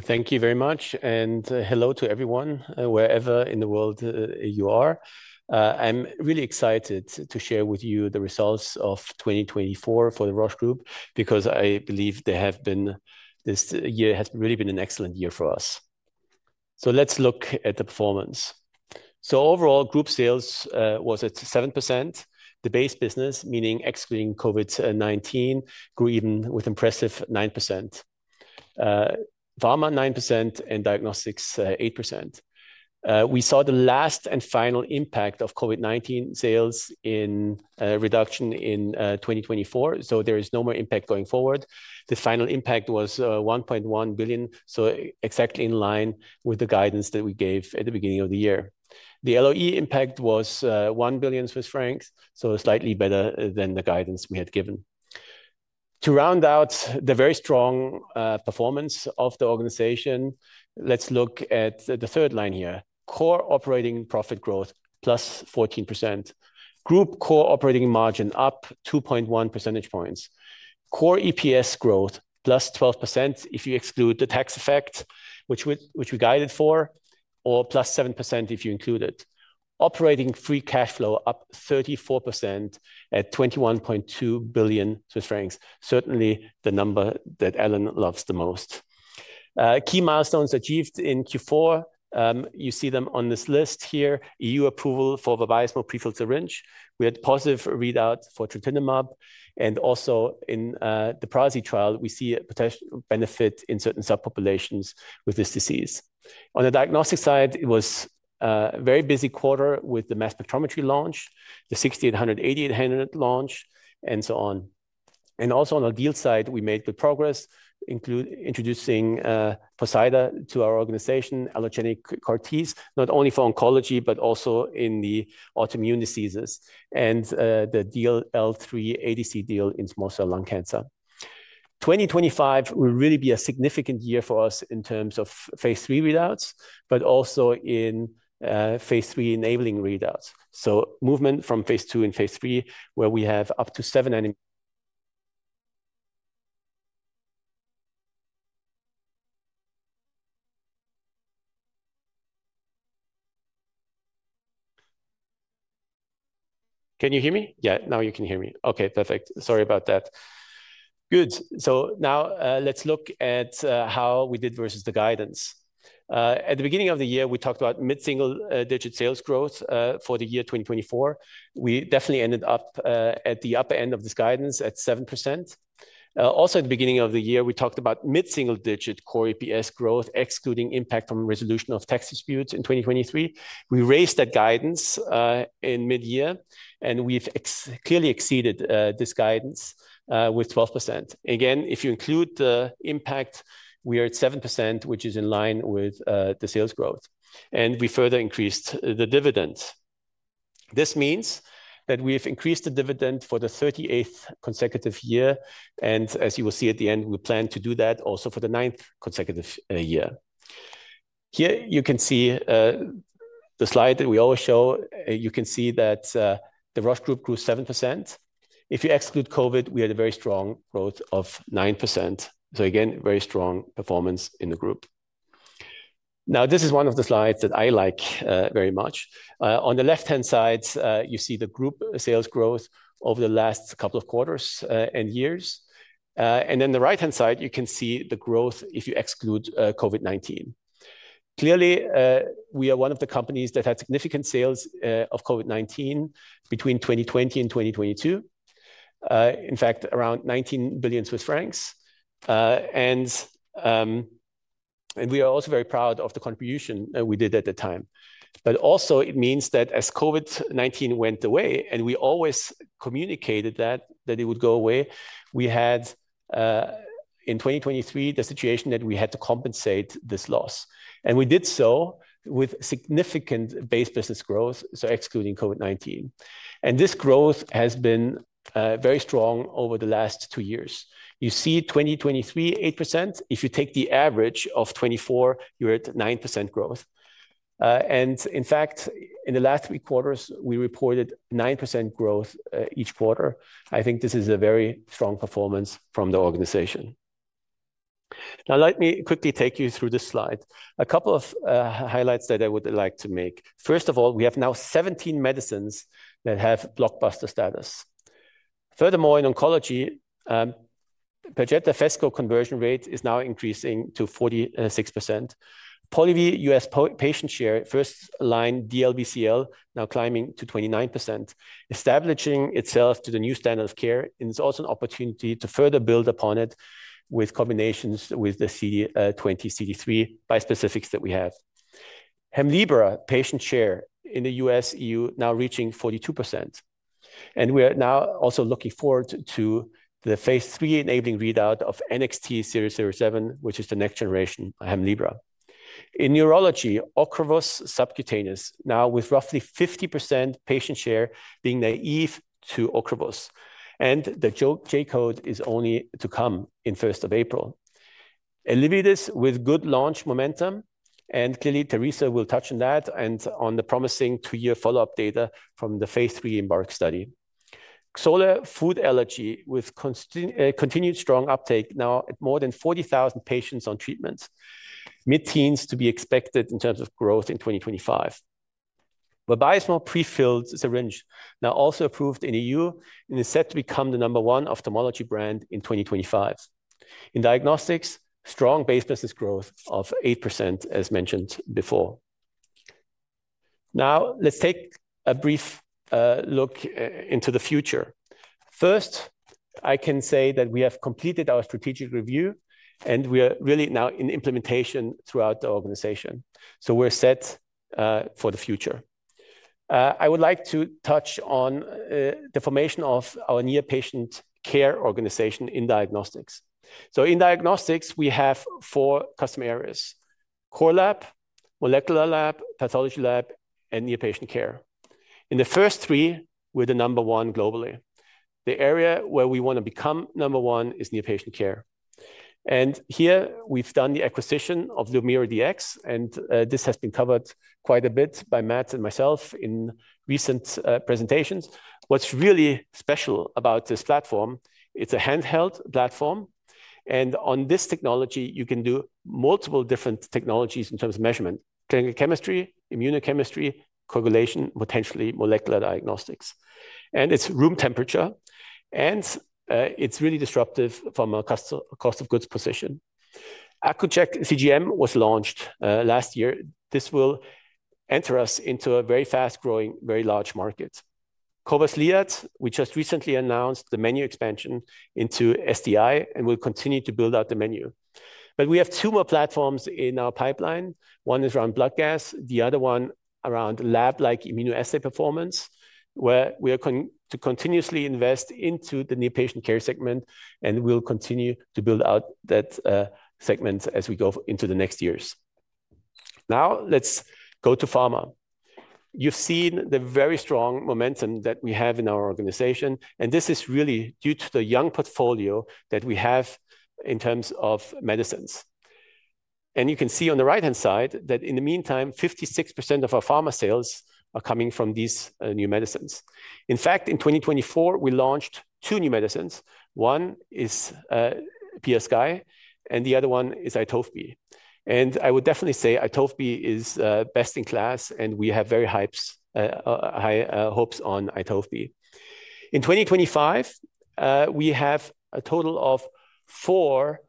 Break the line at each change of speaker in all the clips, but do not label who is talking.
Thank you very much, and hello to everyone wherever in the world you are. I'm really excited to share with you the results of 2024 for the Roche Group, because I believe this year has really been an excellent year for us. So let's look at the performance. So overall, Group sales was at 7%. The base business, meaning excluding COVID-19, grew even with an impressive 9%. Pharma, 9%, and Diagnostics, 8%. We saw the last and final impact of COVID-19 sales in reduction in 2024, so there is no more impact going forward. The final impact was 1.1 billion, so exactly in line with the guidance that we gave at the beginning of the year. The LOE impact was 1 billion Swiss francs, so slightly better than the guidance we had given. To round out the very strong performance of the organization, let's look at the third line here: core operating profit growth, +14%. Group core operating margin up 2.1 percentage points. Core EPS growth, +12% if you exclude the tax effect, which we guided for, or +7% if you include it. Operating free cash flow up 34% at 21.2 billion Swiss francs, certainly the number that Alan loves the most. Key milestones achieved in Q4, you see them on this list here: EU approval for Vabysmo prefilled syringe. We had a positive readout for trontinemab, and also in the prasinezumab trial, we see potential benefit in certain subpopulations with this disease. On the diagnostic side, it was a very busy quarter with the mass spectrometry launch, the cobas 6800/8800 launch, and so on. Also on our deal side, we made good progress, introducing Poseida to our organization, allogeneic CAR-Ts, not only for oncology, but also in the autoimmune diseases and the TL1A, ADC deal in small cell lung cancer. 2025 will really be a significant year for us in terms of phase III readouts, but also in phase III enabling readouts. So movement from phase II and phase III, where we have up to seven molecules. Can you hear me? Yeah, now you can hear me. Okay, perfect. Sorry about that. Good. So now let's look at how we did versus the guidance. At the beginning of the year, we talked about mid-single digit sales growth for the year 2024. We definitely ended up at the upper end of this guidance at 7%. Also, at the beginning of the year, we talked about mid-single digit core EPS growth, excluding impact from resolution of tax disputes in 2023. We raised that guidance in mid-year, and we've clearly exceeded this guidance with 12%. Again, if you include the impact, we are at 7%, which is in line with the sales growth. And we further increased the dividends. This means that we have increased the dividend for the 38th consecutive year. And as you will see at the end, we plan to do that also for the ninth consecutive year. Here you can see the slide that we always show. You can see that the Roche Group grew 7%. If you exclude COVID, we had a very strong growth of 9%. So again, very strong performance in the group. Now, this is one of the slides that I like very much. On the left-hand side, you see the group sales growth over the last couple of quarters and years, and then the right-hand side, you can see the growth if you exclude COVID-19. Clearly, we are one of the companies that had significant sales of COVID-19 between 2020 and 2022, in fact, around 19 billion Swiss francs, and we are also very proud of the contribution we did at the time, but also, it means that as COVID-19 went away, and we always communicated that it would go away, we had in 2023 the situation that we had to compensate this loss, and we did so with significant base business growth, so excluding COVID-19, and this growth has been very strong over the last two years. You see 2023, 8%. If you take the average of 2024, you're at 9% growth. In fact, in the last three quarters, we reported 9% growth each quarter. I think this is a very strong performance from the organization. Now, let me quickly take you through this slide. A couple of highlights that I would like to make. First of all, we have now 17 medicines that have blockbuster status. Furthermore, in oncology, Perjeta Phesgo conversion rate is now increasing to 46%. Polivy, U.S. patient share, first line DLBCL, now climbing to 29%, establishing itself to the new standard of care. It's also an opportunity to further build upon it with combinations with the CD20, CD3 bispecifics that we have. Hemlibra, patient share in the U.S., E.U., now reaching 42%. We are now also looking forward to the phase III enabling readout of NXT007, which is the next generation Hemlibra. In neurology, Ocrevus subcutaneous, now with roughly 50% patient share being naive to Ocrevus, and the J code is only to come in first of April. Elevidys with good launch momentum, and clearly, Teresa will touch on that and on the promising two-year follow-up data from the phase III EMBARK study. Xolair food allergy with continued strong uptake, now at more than 40,000 patients on treatment. Mid-teens to be expected in terms of growth in 2025. Vabysmo prefilled syringe, now also approved in E.U., and is set to become the number one ophthalmology brand in 2025. In Diagnostics, strong base business growth of 8%, as mentioned before. Now, let's take a brief look into the future. First, I can say that we have completed our strategic review, and we are really now in implementation throughout the organization, so we're set for the future. I would like to touch on the formation of our near-patient care organization in diagnostics. In diagnostics, we have four customer areas: core lab, molecular lab, pathology lab, and near-patient care. In the first three, we're the number one globally. The area where we want to become number one is near-patient care, and here we've done the acquisition of LumiraDx, and this has been covered quite a bit by Matt and myself in recent presentations. What's really special about this platform is it's a handheld platform, and on this technology you can do multiple different technologies in terms of measurement: clinical chemistry, immunochemistry, coagulation, potentially molecular diagnostics. And it's room temperature, and it's really disruptive from a cost of goods position. Accu-Chek CGM was launched last year. This will enter us into a very fast-growing, very large market. Cobas Liat, we just recently announced the menu expansion into STI and will continue to build out the menu. But we have two more platforms in our pipeline. One is around blood gas, the other one around lab-like immunoassay performance, where we are going to continuously invest into the near-patient care segment and will continue to build out that segment as we go into the next years. Now, let's go to pharma. You've seen the very strong momentum that we have in our organization, and this is really due to the young portfolio that we have in terms of medicines. And you can see on the right-hand side that in the meantime, 56% of our pharma sales are coming from these new medicines. In fact, in 2024, we launched two new medicines. One is PiaSky, and the other one is Itovebi. I would definitely say Itovebi is best in class, and we have very high hopes on Itovebi. In 2025, we have a total of four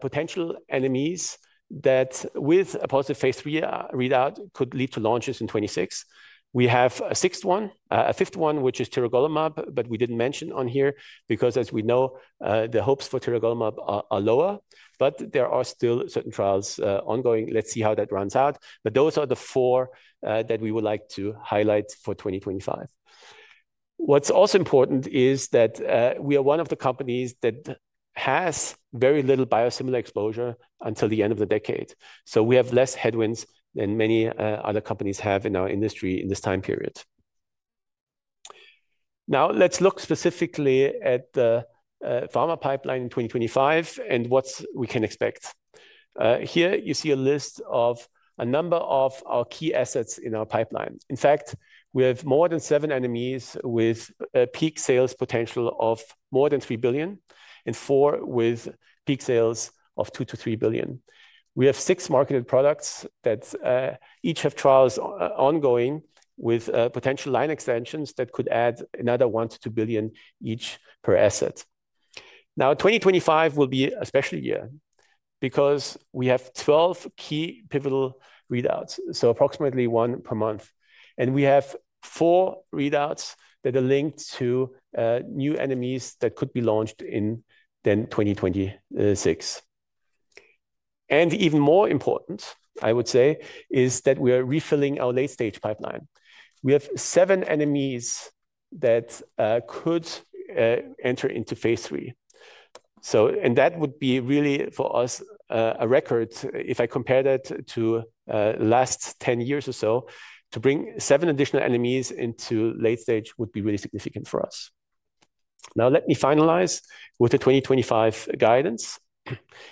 potential NMEs that, with a positive phase III readout, could lead to launches in 2026. We have a fifth one, which is tiragolumab, but we didn't mention it here because, as we know, the hopes for tiragolumab are lower, but there are still certain trials ongoing. Let's see how that pans out. Those are the four that we would like to highlight for 2025. What's also important is that we are one of the companies that has very little biosimilar exposure until the end of the decade. So we have less headwinds than many other companies have in our industry in this time period. Now, let's look specifically at the Pharma pipeline in 2025 and what we can expect. Here you see a list of a number of our key assets in our pipeline. In fact, we have more than seven NMEs with a peak sales potential of more than 3 billion and four with peak sales of 2 billion-3 billion. We have six marketed products that each have trials ongoing with potential line extensions that could add another 1 billion-2 billion each per asset. Now, 2025 will be a special year because we have 12 key pivotal readouts, so approximately one per month, and we have four readouts that are linked to new NMEs that could be launched in then 2026, and even more important, I would say, is that we are refilling our late-stage pipeline. We have seven NMEs that could enter into phase III, and that would be really for us a record. If I compare that to the last 10 years or so, to bring seven additional NMEs into late stage would be really significant for us. Now, let me finalize with the 2025 guidance.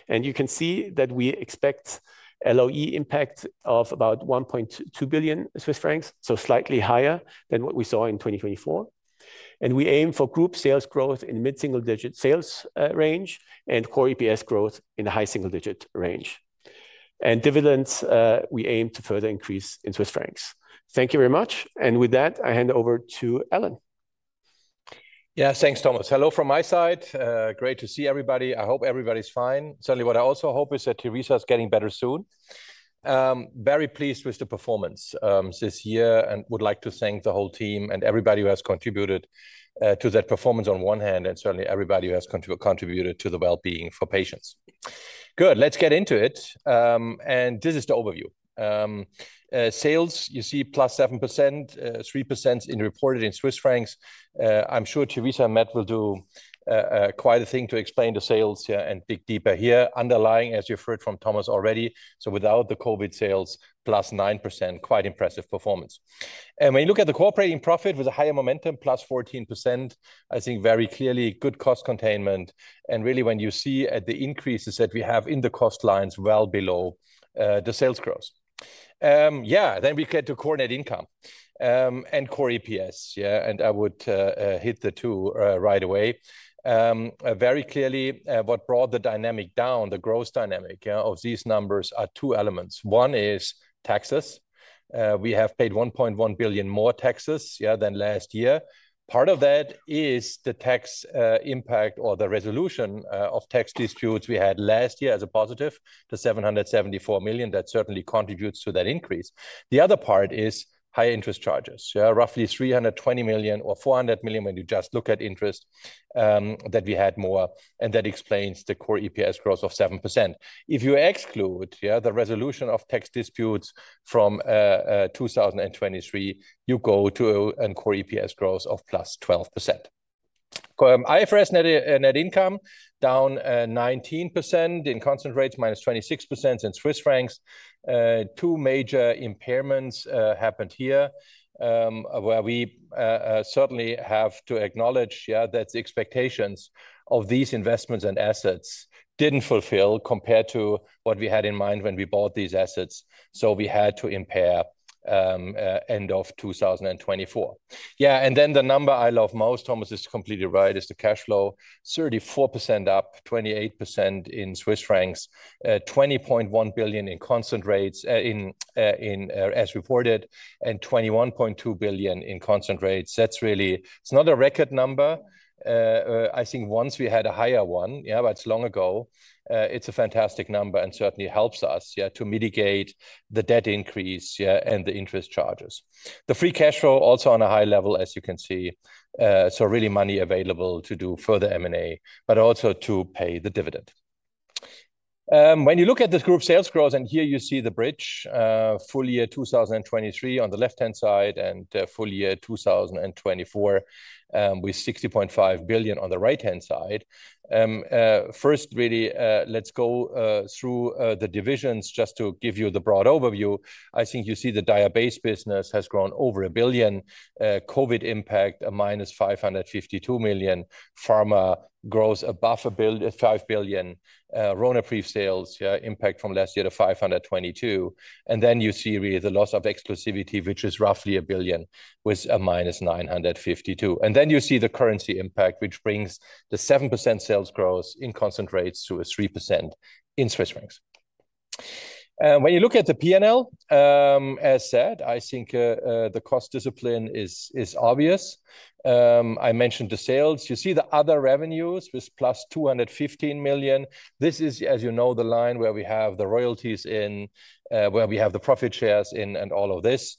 You can see that we expect LOE impact of about 1.2 billion Swiss francs, so slightly higher than what we saw in 2024. We aim for group sales growth in mid-single digit sales range and core EPS growth in a high single digit range. Dividends, we aim to further increase in CHF. Thank you very much. With that, I hand over to Alan.
Yeah, thanks, Thomas. Hello from my side. Great to see everybody. I hope everybody's fine. Certainly, what I also hope is that Teresa is getting better soon. Very pleased with the performance this year and would like to thank the whole team and everybody who has contributed to that performance on one hand, and certainly everybody who has contributed to the well-being for patients. Good, let's get into it. This is the overview. Sales, you see +7%, 3% reported in Swiss francs. I'm sure Teresa and Matt will do quite a thing to explain the sales and dig deeper here. Underlying, as you've heard from Thomas already, so without the COVID sales, +9%, quite impressive performance. When you look at the core operating profit with a higher momentum, +14%, I think very clearly good cost containment. Really, when you see at the increases that we have in the cost lines well below the sales growth. Yeah, then we get to core operating income and core EPS. Yeah, and I would hit the two right away. Very clearly, what brought the dynamic down, the growth dynamic of these numbers, are two elements. One is taxes. We have paid 1.1 billion more taxes than last year. Part of that is the tax impact or the resolution of tax disputes we had last year as a positive, the 774 million. That certainly contributes to that increase. The other part is higher interest charges, roughly 320 million or 400 million when you just look at interest that we had more. And that explains the core EPS growth of 7%. If you exclude the resolution of tax disputes from 2023, you go to a core EPS growth of +12%. IFRS net income down 19% in constant currencies, -26% in Swiss francs. Two major impairments happened here where we certainly have to acknowledge that the expectations of these investments and assets didn't fulfill compared to what we had in mind when we bought these assets. So we had to impair end of 2024. Yeah, and then the number I love most, Thomas, is completely right, is the cash flow, 34% up, 28% in Swiss francs, 20.1 billion in constant currencies as reported, and 21.2 billion in constant currencies. That's really, it's not a record number. I think once we had a higher one, yeah, but it's long ago. It's a fantastic number and certainly helps us to mitigate the debt increase and the interest charges. The free cash flow also on a high level, as you can see. So really money available to do further M&A, but also to pay the dividend. When you look at this group sales growth, and here you see the bridge, full year 2023 on the left-hand side and full year 2024 with 60.5 billion on the right-hand side. First, really, let's go through the divisions just to give you the broad overview. I think you see the Diagnostics business has grown over a billion. COVID impact, a -552 million. Pharma grows above a billion, 5 billion. Ronapreve sales, yeah, impact from last year to 522. And then you see really the loss of exclusivity, which is roughly a billion with a -952 million. And then you see the currency impact, which brings the 7% sales growth in constant currencies to a 3% in Swiss francs. When you look at the P&L, as said, I think the cost discipline is obvious. I mentioned the sales. You see the other revenues with +215 million. This is, as you know, the line where we have the royalties in, where we have the profit shares in, and all of this.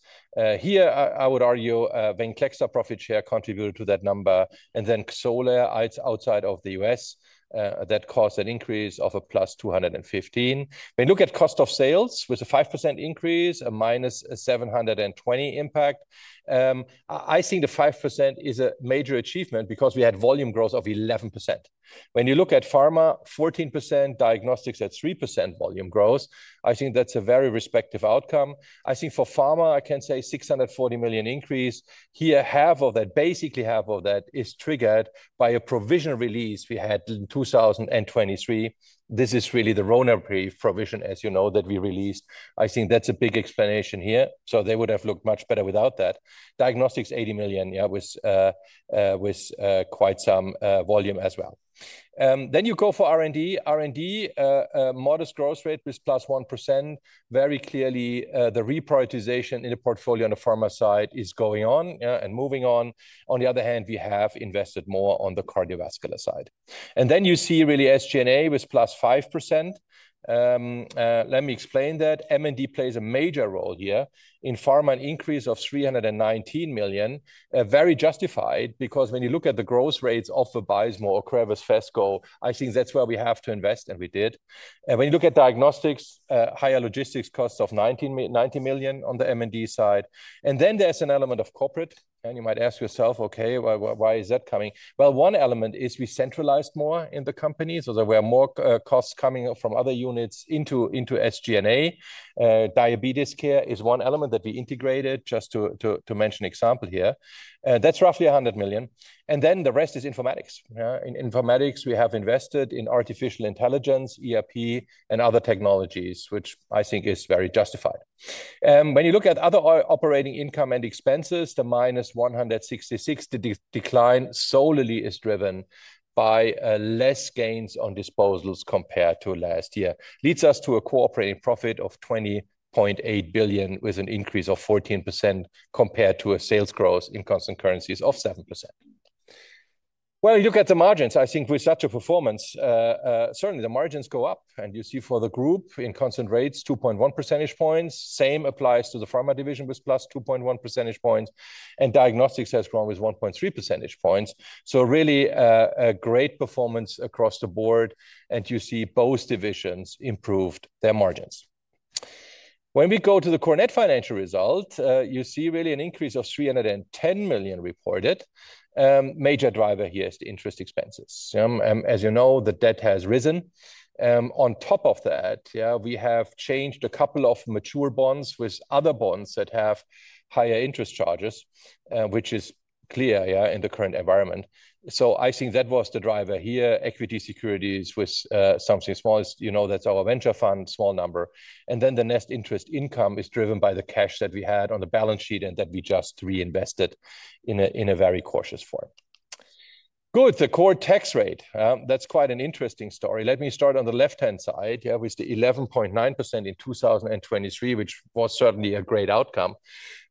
Here, I would argue Venclexta profit share contributed to that number. Then Xolair, it's outside of the US, that caused an increase of +215. When you look at cost of sales with a 5% increase, a -720 impact, I think the 5% is a major achievement because we had volume growth of 11%. When you look at Pharma, 14%, Diagnostics at 3% volume growth, I think that's a very respectable outcome. I think for Pharma, I can say 640 million increase. Here, half of that, basically half of that is triggered by a provision release we had in 2023. This is really the Ronapreve provision, as you know, that we released. I think that's a big explanation here. So they would have looked much better without that. Diagnostics, 80 million, yeah, with quite some volume as well. Then you go for R&D. R&D, modest growth rate with +1%. Very clearly, the reprioritization in the portfolio on the Pharma side is going on and moving on. On the other hand, we have invested more on the cardiovascular side. And then you see really SG&A with +5%. Let me explain that. M&D plays a major role here in Pharma, an increase of 319 million, very justified because when you look at the growth rates of the Vabysmo or Phesgo, I think that's where we have to invest, and we did. And when you look at diagnostics, higher logistics costs of 90 million on the M&D side. And then there's an element of corporate. And you might ask yourself, okay, why is that coming? One element is we centralized more in the company. So there were more costs coming from other units into SG&A. Diabetes care is one element that we integrated, just to mention an example here. That's roughly 100 million. And then the rest is informatics. In informatics, we have invested in artificial intelligence, ERP, and other technologies, which I think is very justified. When you look at other operating income and expenses, the -166, the decline solely is driven by less gains on disposals compared to last year. Leads us to a core operating profit of 20.8 billion with an increase of 14% compared to a sales growth in constant currencies of 7%. You look at the margins, I think with such a performance, certainly the margins go up. You see for the group in constant currencies 2.1 percentage points. same applies to the Pharma division with +2.1 percentage points. Diagnostics has grown with 1.3 percentage points. Really a great performance across the board. You see both divisions improved their margins. When we go to the core net financial result, you see really an increase of 310 million reported. Major driver here is the interest expenses. As you know, the debt has risen. On top of that, we have changed a couple of mature bonds with other bonds that have higher interest charges, which is clear in the current environment. So I think that was the driver here. Equity securities with something small, you know that's our venture fund, small number. Then the net interest income is driven by the cash that we had on the balance sheet and that we just reinvested in a very cautious form. Good, the core tax rate. That's quite an interesting story. Let me start on the left-hand side, yeah, with the 11.9% in 2023, which was certainly a great outcome,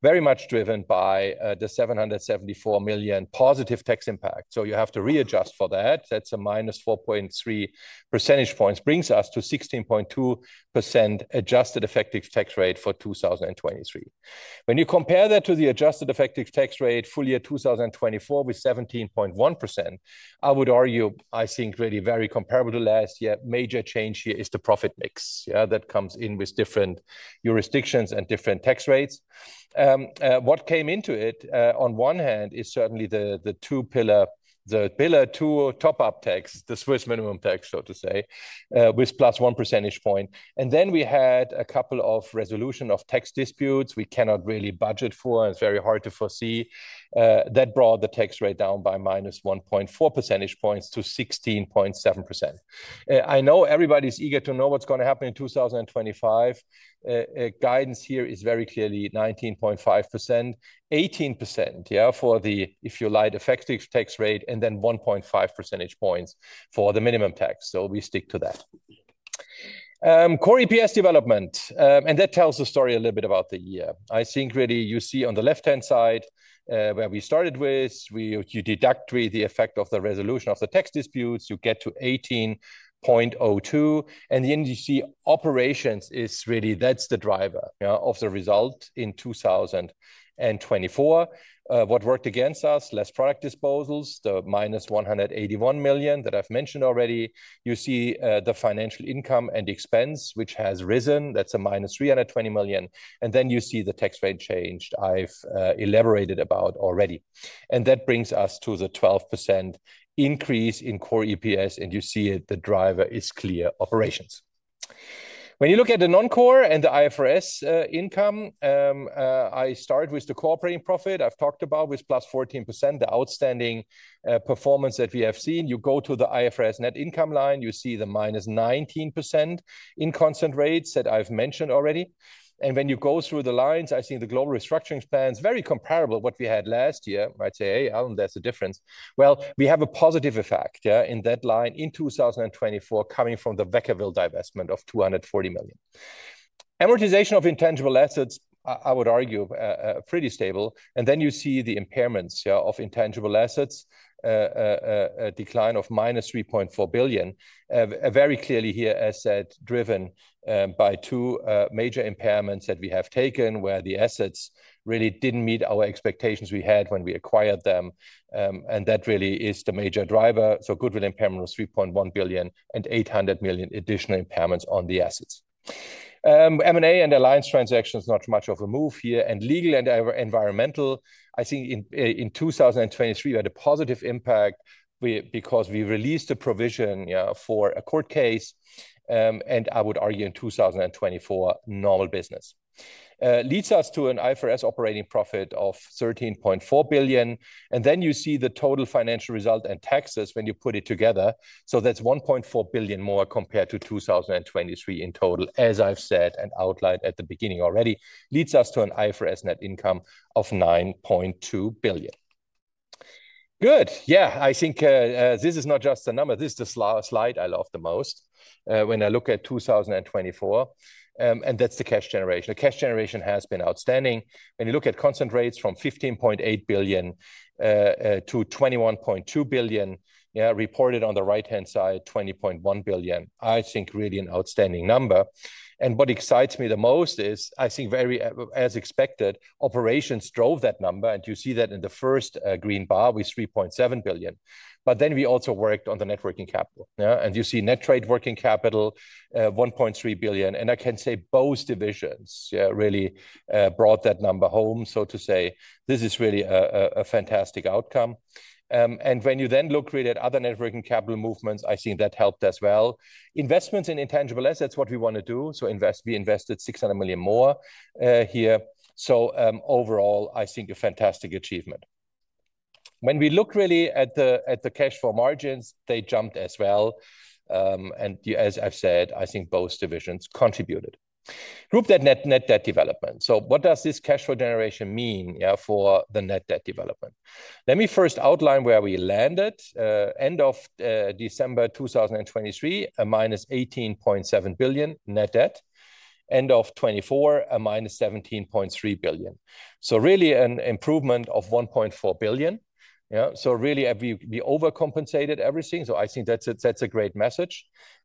very much driven by the 774 million positive tax impact. So you have to readjust for that. That's a -4.3 percentage points brings us to 16.2% adjusted effective tax rate for 2023. When you compare that to the adjusted effective tax rate full year 2024 with 17.1%, I would argue, I think really very comparable to last year, major change here is the profit mix, yeah, that comes in with different jurisdictions and different tax rates. What came into it on one hand is certainly the two pillar, the Pillar Two top-up tax, the Swiss minimum tax, so to say, with +1 percentage point. And then we had a couple of resolutions of tax disputes we cannot really budget for, and it's very hard to foresee. That brought the tax rate down by -1.4 percentage points to 16.7%. I know everybody's eager to know what's going to happen in 2025. Guidance here is very clearly 19.5%, 18%, yeah, for the, if you like, effective tax rate and then 1.5 percentage points for the minimum tax. So we stick to that. Core EPS development. And that tells the story a little bit about the year. I think really you see on the left-hand side where we started with, you deduct the effect of the resolution of the tax disputes, you get to 18.02. And then you see operations is really, that's the driver of the result in 2024. What worked against us, less product disposals, the -181 million that I've mentioned already. You see the financial income and the expense, which has risen, that's a -320 million, and then you see the tax rate changed I've elaborated about already. And that brings us to the 12% increase in core EPS. And you see the driver is clear operations. When you look at the non-core and the IFRS income, I start with the core operating profit I've talked about with +14%, the outstanding performance that we have seen. You go to the IFRS net income line, you see the -19% in constant currencies that I've mentioned already. And when you go through the lines, I think the global restructuring expense is very comparable to what we had last year. I'd say, hey, Alan, there's a difference. Well, we have a positive effect in that line in 2024 coming from the Vacaville divestment of 240 million. Amortization of intangible assets, I would argue pretty stable. And then you see the impairments of intangible assets, decline of -3.4 billion, very clearly here, as said, driven by two major impairments that we have taken where the assets really didn't meet our expectations we had when we acquired them. And that really is the major driver. So goodwill impairment was 3.1 billion and 800 million additional impairments on the assets. M&A and alliance transactions, not much of a move here. And legal and environmental, I think in 2023, we had a positive impact because we released the provision for a court case. And I would argue in 2024, normal business. Leads us to an IFRS operating profit of 13.4 billion. And then you see the total financial result and taxes when you put it together. So that's 1.4 billion more compared to 2023 in total, as I've said and outlined at the beginning already. Leads us to an IFRS net income of 9.2 billion. Good. Yeah, I think this is not just a number. This is the slide I love the most when I look at 2024. And that's the cash generation. The cash generation has been outstanding. When you look at constant rates from 15.8 billion to 21.2 billion, yeah, reported on the right-hand side, 20.1 billion, I think really an outstanding number. And what excites me the most is, I think very, as expected, operations drove that number. And you see that in the first green bar with 3.7 billion. But then we also worked on the net working capital. And you see net trade working capital, 1.3 billion. And I can say both divisions, yeah, really brought that number home, so to say. This is really a fantastic outcome, and when you then look really at other working capital movements, I think that helped as well. Investments in intangible assets, what we want to do, so we invested 600 million more here. So overall, I think a fantastic achievement. When we look really at the cash flow margins, they jumped as well, and as I've said, I think both divisions contributed. Regarding the net debt development, so what does this cash flow generation mean for the net debt development? Let me first outline where we landed. End of December 2023, -18.7 billion net debt. End of 2024, -17.3 billion. So really an improvement of 1.4 billion. So really we overcompensated everything. So I think that's a great message.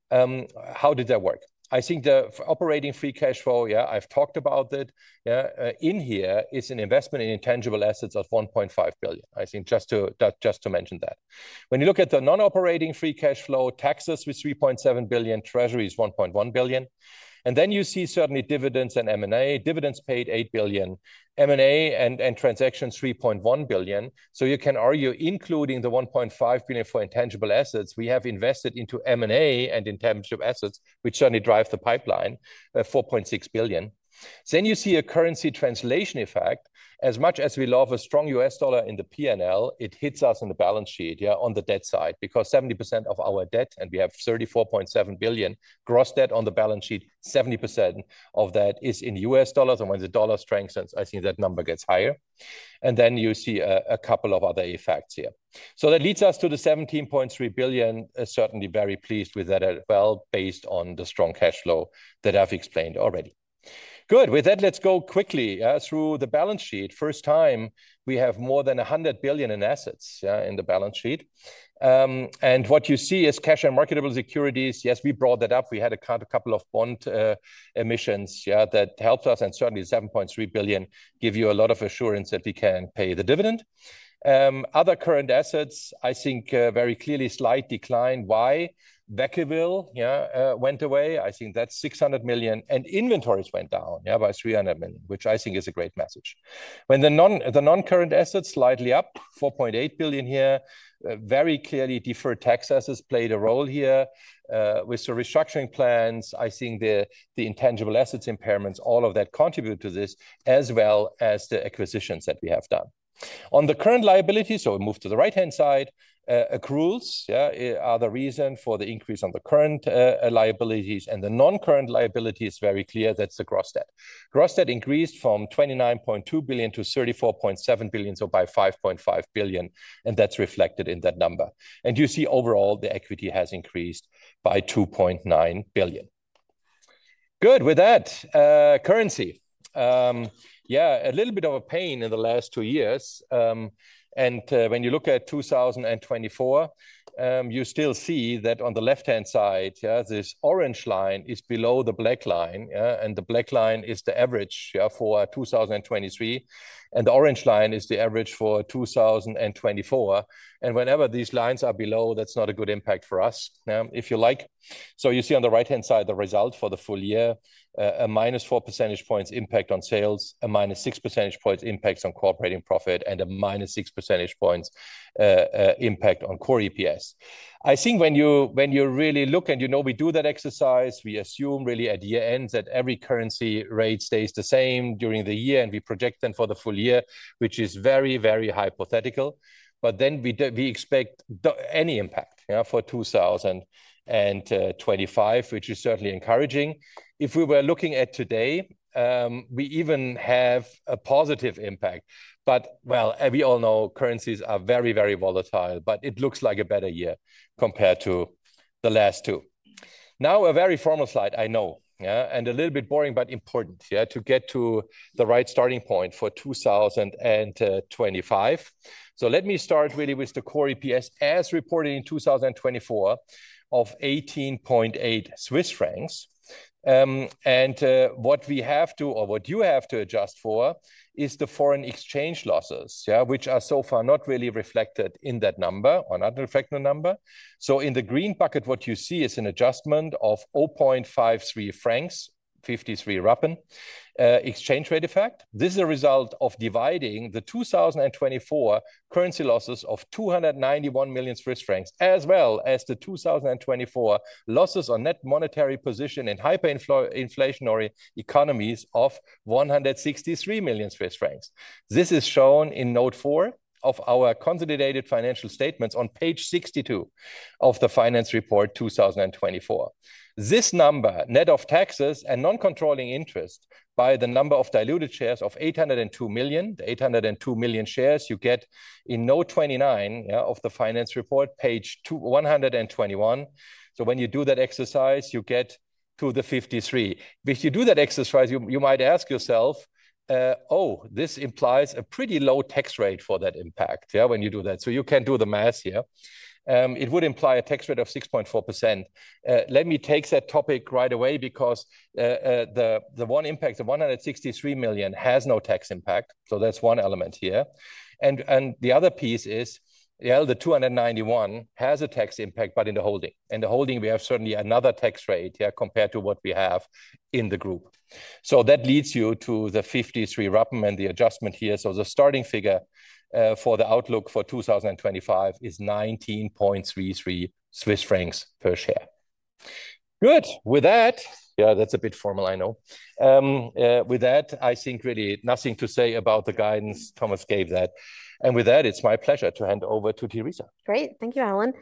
How did that work? I think the operating free cash flow, yeah, I've talked about that. There is an investment in intangible assets of 1.5 billion. I think just to mention that. When you look at the non-operating free cash flow, taxes with 3.7 billion, treasuries 1.1 billion, and then you see certainly dividends and M&A. Dividends paid 8 billion. M&A and transactions 3.1 billion, so you can argue including the 1.5 billion for intangible assets, we have invested into M&A and intangible assets, which certainly drives the pipeline, 4.6 billion, then you see a currency translation effect. As much as we love a strong U.S. dollar in the P&L, it hits us on the balance sheet, yeah, on the debt side because 70% of our debt and we have 34.7 billion gross debt on the balance sheet, 70% of that is in U.S. dollars, and when the dollar strengthens, I think that number gets higher. And then you see a couple of other effects here. So that leads us to the 17.3 billion, certainly very pleased with that as well based on the strong cash flow that I've explained already. Good. With that, let's go quickly through the balance sheet. First time, we have more than 100 billion in assets in the balance sheet. And what you see is cash and marketable securities. Yes, we brought that up. We had a couple of bond issuances that helped us. And certainly 7.3 billion gives you a lot of assurance that we can pay the dividend. Other current assets, I think very clearly slight decline. Why? Vacaville went away. I think that's 600 million. And inventories went down by 300 million, which I think is a great message. While the non-current assets slightly up, 4.8 billion here. Very clearly deferred taxes played a role here with the restructuring plans. I think the intangible assets impairments, all of that contributed to this as well as the acquisitions that we have done. On the current liabilities, so we move to the right-hand side, accruals are the reason for the increase on the current liabilities. And the non-current liability is very clear. That's the gross debt. Gross debt increased from 29.2 billion to 34.7 billion, so by 5.5 billion. And that's reflected in that number. And you see overall the equity has increased by 2.9 billion. Good. With that, currency. Yeah, a little bit of a pain in the last two years. And when you look at 2024, you still see that on the left-hand side, this orange line is below the black line. And the black line is the average for 2023. The orange line is the average for 2024. Whenever these lines are below, that's not a good impact for us, if you like. So you see on the right-hand side the result for the full year, a -4 percentage points impact on sales, a -6 percentage points impact on core operating profit, and a -6 percentage points impact on core EPS. I think when you really look and you know we do that exercise, we assume really at year end that every currency rate stays the same during the year. We project them for the full year, which is very, very hypothetical. Then we expect any impact for 2025, which is certainly encouraging. If we were looking at today, we even have a positive impact. But, well, we all know currencies are very, very volatile, but it looks like a better year compared to the last two. Now, a very formal slide, I know, and a little bit boring, but important to get to the right starting point for 2025. So let me start really with the core EPS as reported in 2024 of 18.8 Swiss francs. And what we have to, or what you have to adjust for is the foreign exchange losses, which are so far not really reflected in that number or not reflected in the number. So in the green bucket, what you see is an adjustment of 0.53 francs, 53 rappen exchange rate effect. This is a result of dividing the 2024 currency losses of 291 million Swiss francs as well as the 2024 losses on net monetary position in hyperinflationary economies of 163 million Swiss francs. This is shown in note four of our consolidated financial statements on page 62 of the Finance Report 2024. This number, net of taxes and non-controlling interest by the number of diluted shares of 802 million, the 802 million shares you get in note 29 of the Finance Report, page 121. So when you do that exercise, you get to the 53. If you do that exercise, you might ask yourself, oh, this implies a pretty low tax rate for that impact when you do that. So you can do the math here. It would imply a tax rate of 6.4%. Let me take that topic right away because the one impact, the 163 million has no tax impact. So that's one element here. And the other piece is, yeah, the 291 million has a tax impact, but in the holding. In the holding, we have certainly another tax rate compared to what we have in the group. So that leads you to the 53 Rappen and the adjustment here. So the starting figure for the outlook for 2025 is 19.33 Swiss francs per share. Good. With that, yeah, that's a bit formal, I know. With that, I think really nothing to say about the guidance Thomas gave that. And with that, it's my pleasure to hand over to Teresa.
Great. Thank you, Alan.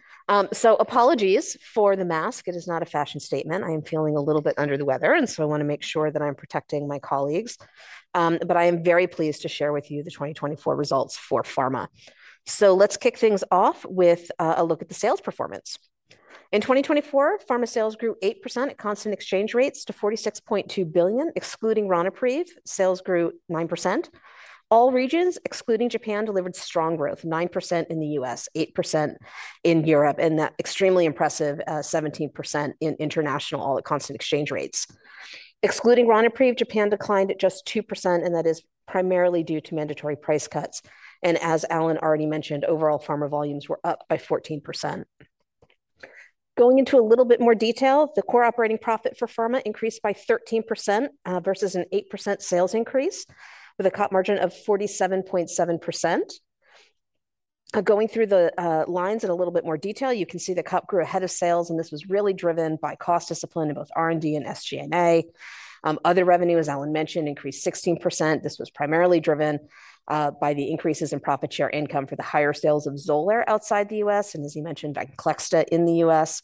So apologies for the mask. It is not a fashion statement. I am feeling a little bit under the weather. And so I want to make sure that I'm protecting my colleagues. But I am very pleased to share with you the 2024 results for Pharma. So let's kick things off with a look at the sales performance. In 2024, Pharma sales grew 8% at constant exchange rates to 46.2 billion, excluding Ronapreve. Sales grew 9%. All regions, excluding Japan, delivered strong growth, 9% in the U.S., 8% in Europe, and that extremely impressive 17% in international all at constant exchange rates. Excluding Ronapreve, Japan declined at just 2%, and that is primarily due to mandatory price cuts. As Alan already mentioned, overall Pharma volumes were up by 14%. Going into a little bit more detail, the core operating profit for Pharma increased by 13% versus an 8% sales increase with a COP margin of 47.7%. Going through the lines in a little bit more detail, you can see the COP grew ahead of sales, and this was really driven by cost discipline in both R&D and SG&A. Other revenue, as Alan mentioned, increased 16%. This was primarily driven by the increases in profit share income for the higher sales of Xolair outside the US and, as you mentioned, by Venclexta in the US.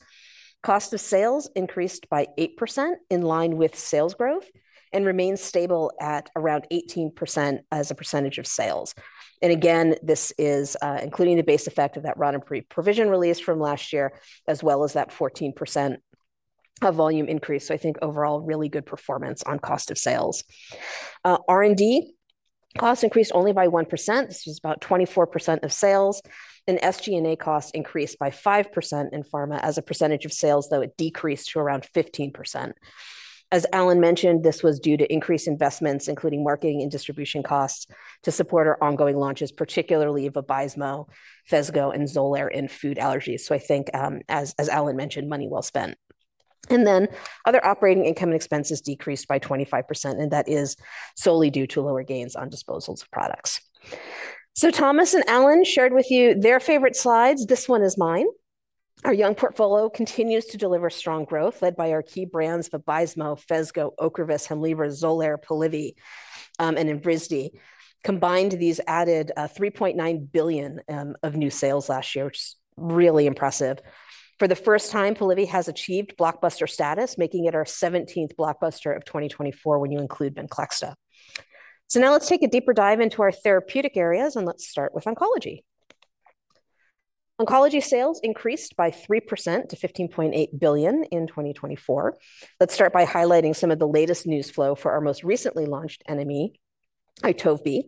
Cost of sales increased by 8% in line with sales growth and remained stable at around 18% as a percentage of sales, and again, this is including the base effect of that Ronapreve provision release from last year, as well as that 14% volume increase, so I think overall, really good performance on cost of sales. R&D cost increased only by 1%. This was about 24% of sales, and SG&A cost increased by 5% in Pharma as a percentage of sales, though it decreased to around 15%. As Alan mentioned, this was due to increased investments, including marketing and distribution costs to support our ongoing launches, particularly of Vabysmo, Phesgo, and Xolair in food allergies. I think, as Alan mentioned, money well spent. Other operating income and expenses decreased by 25%, and that is solely due to lower gains on disposals of products. Thomas and Alan shared with you their favorite slides. This one is mine. Our young portfolio continues to deliver strong growth led by our key brands of Vabysmo, Phesgo, Ocrevus, Hemlibra, Xolair, Polivy, and Evrysdi. Combined, these added 3.9 billion of new sales last year, which is really impressive. For the first time, Polivy has achieved blockbuster status, making it our 17th blockbuster of 2024 when you include Venclexta. Now let's take a deeper dive into our therapeutic areas, and let's start with oncology. Oncology sales increased by 3% to 15.8 billion in 2024. Let's start by highlighting some of the latest news flow for our most recently launched NME, Itovebi.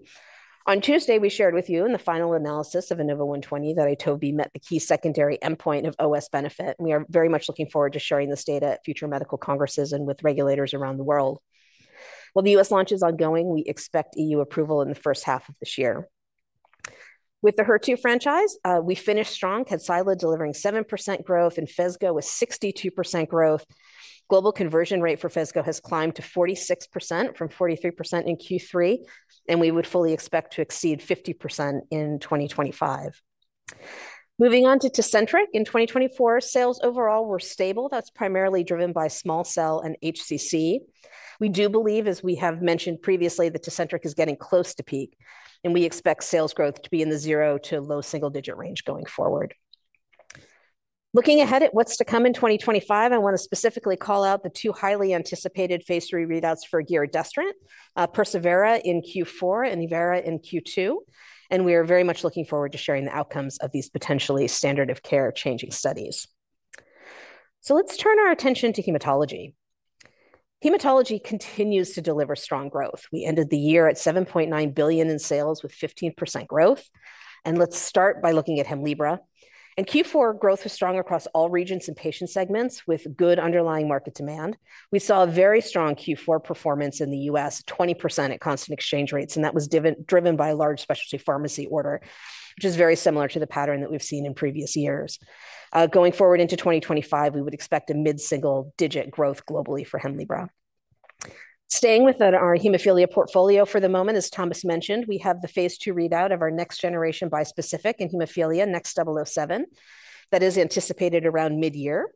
On Tuesday, we shared with you in the final analysis of INAVO120 that Itovebi met the key secondary endpoint of OS benefit. We are very much looking forward to sharing this data at future medical congresses and with regulators around the world. While the U.S. launch is ongoing, we expect E.U. approval in the first half of this year. With the HER2 franchise, we finished strong, Kadcyla delivering 7% growth, and Phesgo with 62% growth. Global conversion rate for Phesgo has climbed to 46% from 43% in Q3, and we would fully expect to exceed 50% in 2025. Moving on to Tecentriq, in 2024, sales overall were stable. That's primarily driven by small cell and HCC. We do believe, as we have mentioned previously, that Tecentriq is getting close to peak, and we expect sales growth to be in the zero to low single-digit range going forward. Looking ahead at what's to come in 2025, I want to specifically call out the two highly anticipated phase I readouts for giredestrant, persevERA in Q4, and LidERA in Q2. And we are very much looking forward to sharing the outcomes of these potentially standard of care changing studies. So let's turn our attention to hematology. Hematology continues to deliver strong growth. We ended the year at 7.9 billion in sales with 15% growth. And let's start by looking at Hemlibra. In Q4, growth was strong across all regions and patient segments with good underlying market demand. We saw a very strong Q4 performance in the U.S., 20% at constant exchange rates, and that was driven by a large specialty pharmacy order, which is very similar to the pattern that we've seen in previous years. Going forward into 2025, we would expect a mid-single-digit growth globally for Hemlibra. Staying with our hemophilia portfolio for the moment, as Thomas mentioned, we have the phase II readout of our next generation bispecific in hemophilia, NXT007, that is anticipated around mid-year.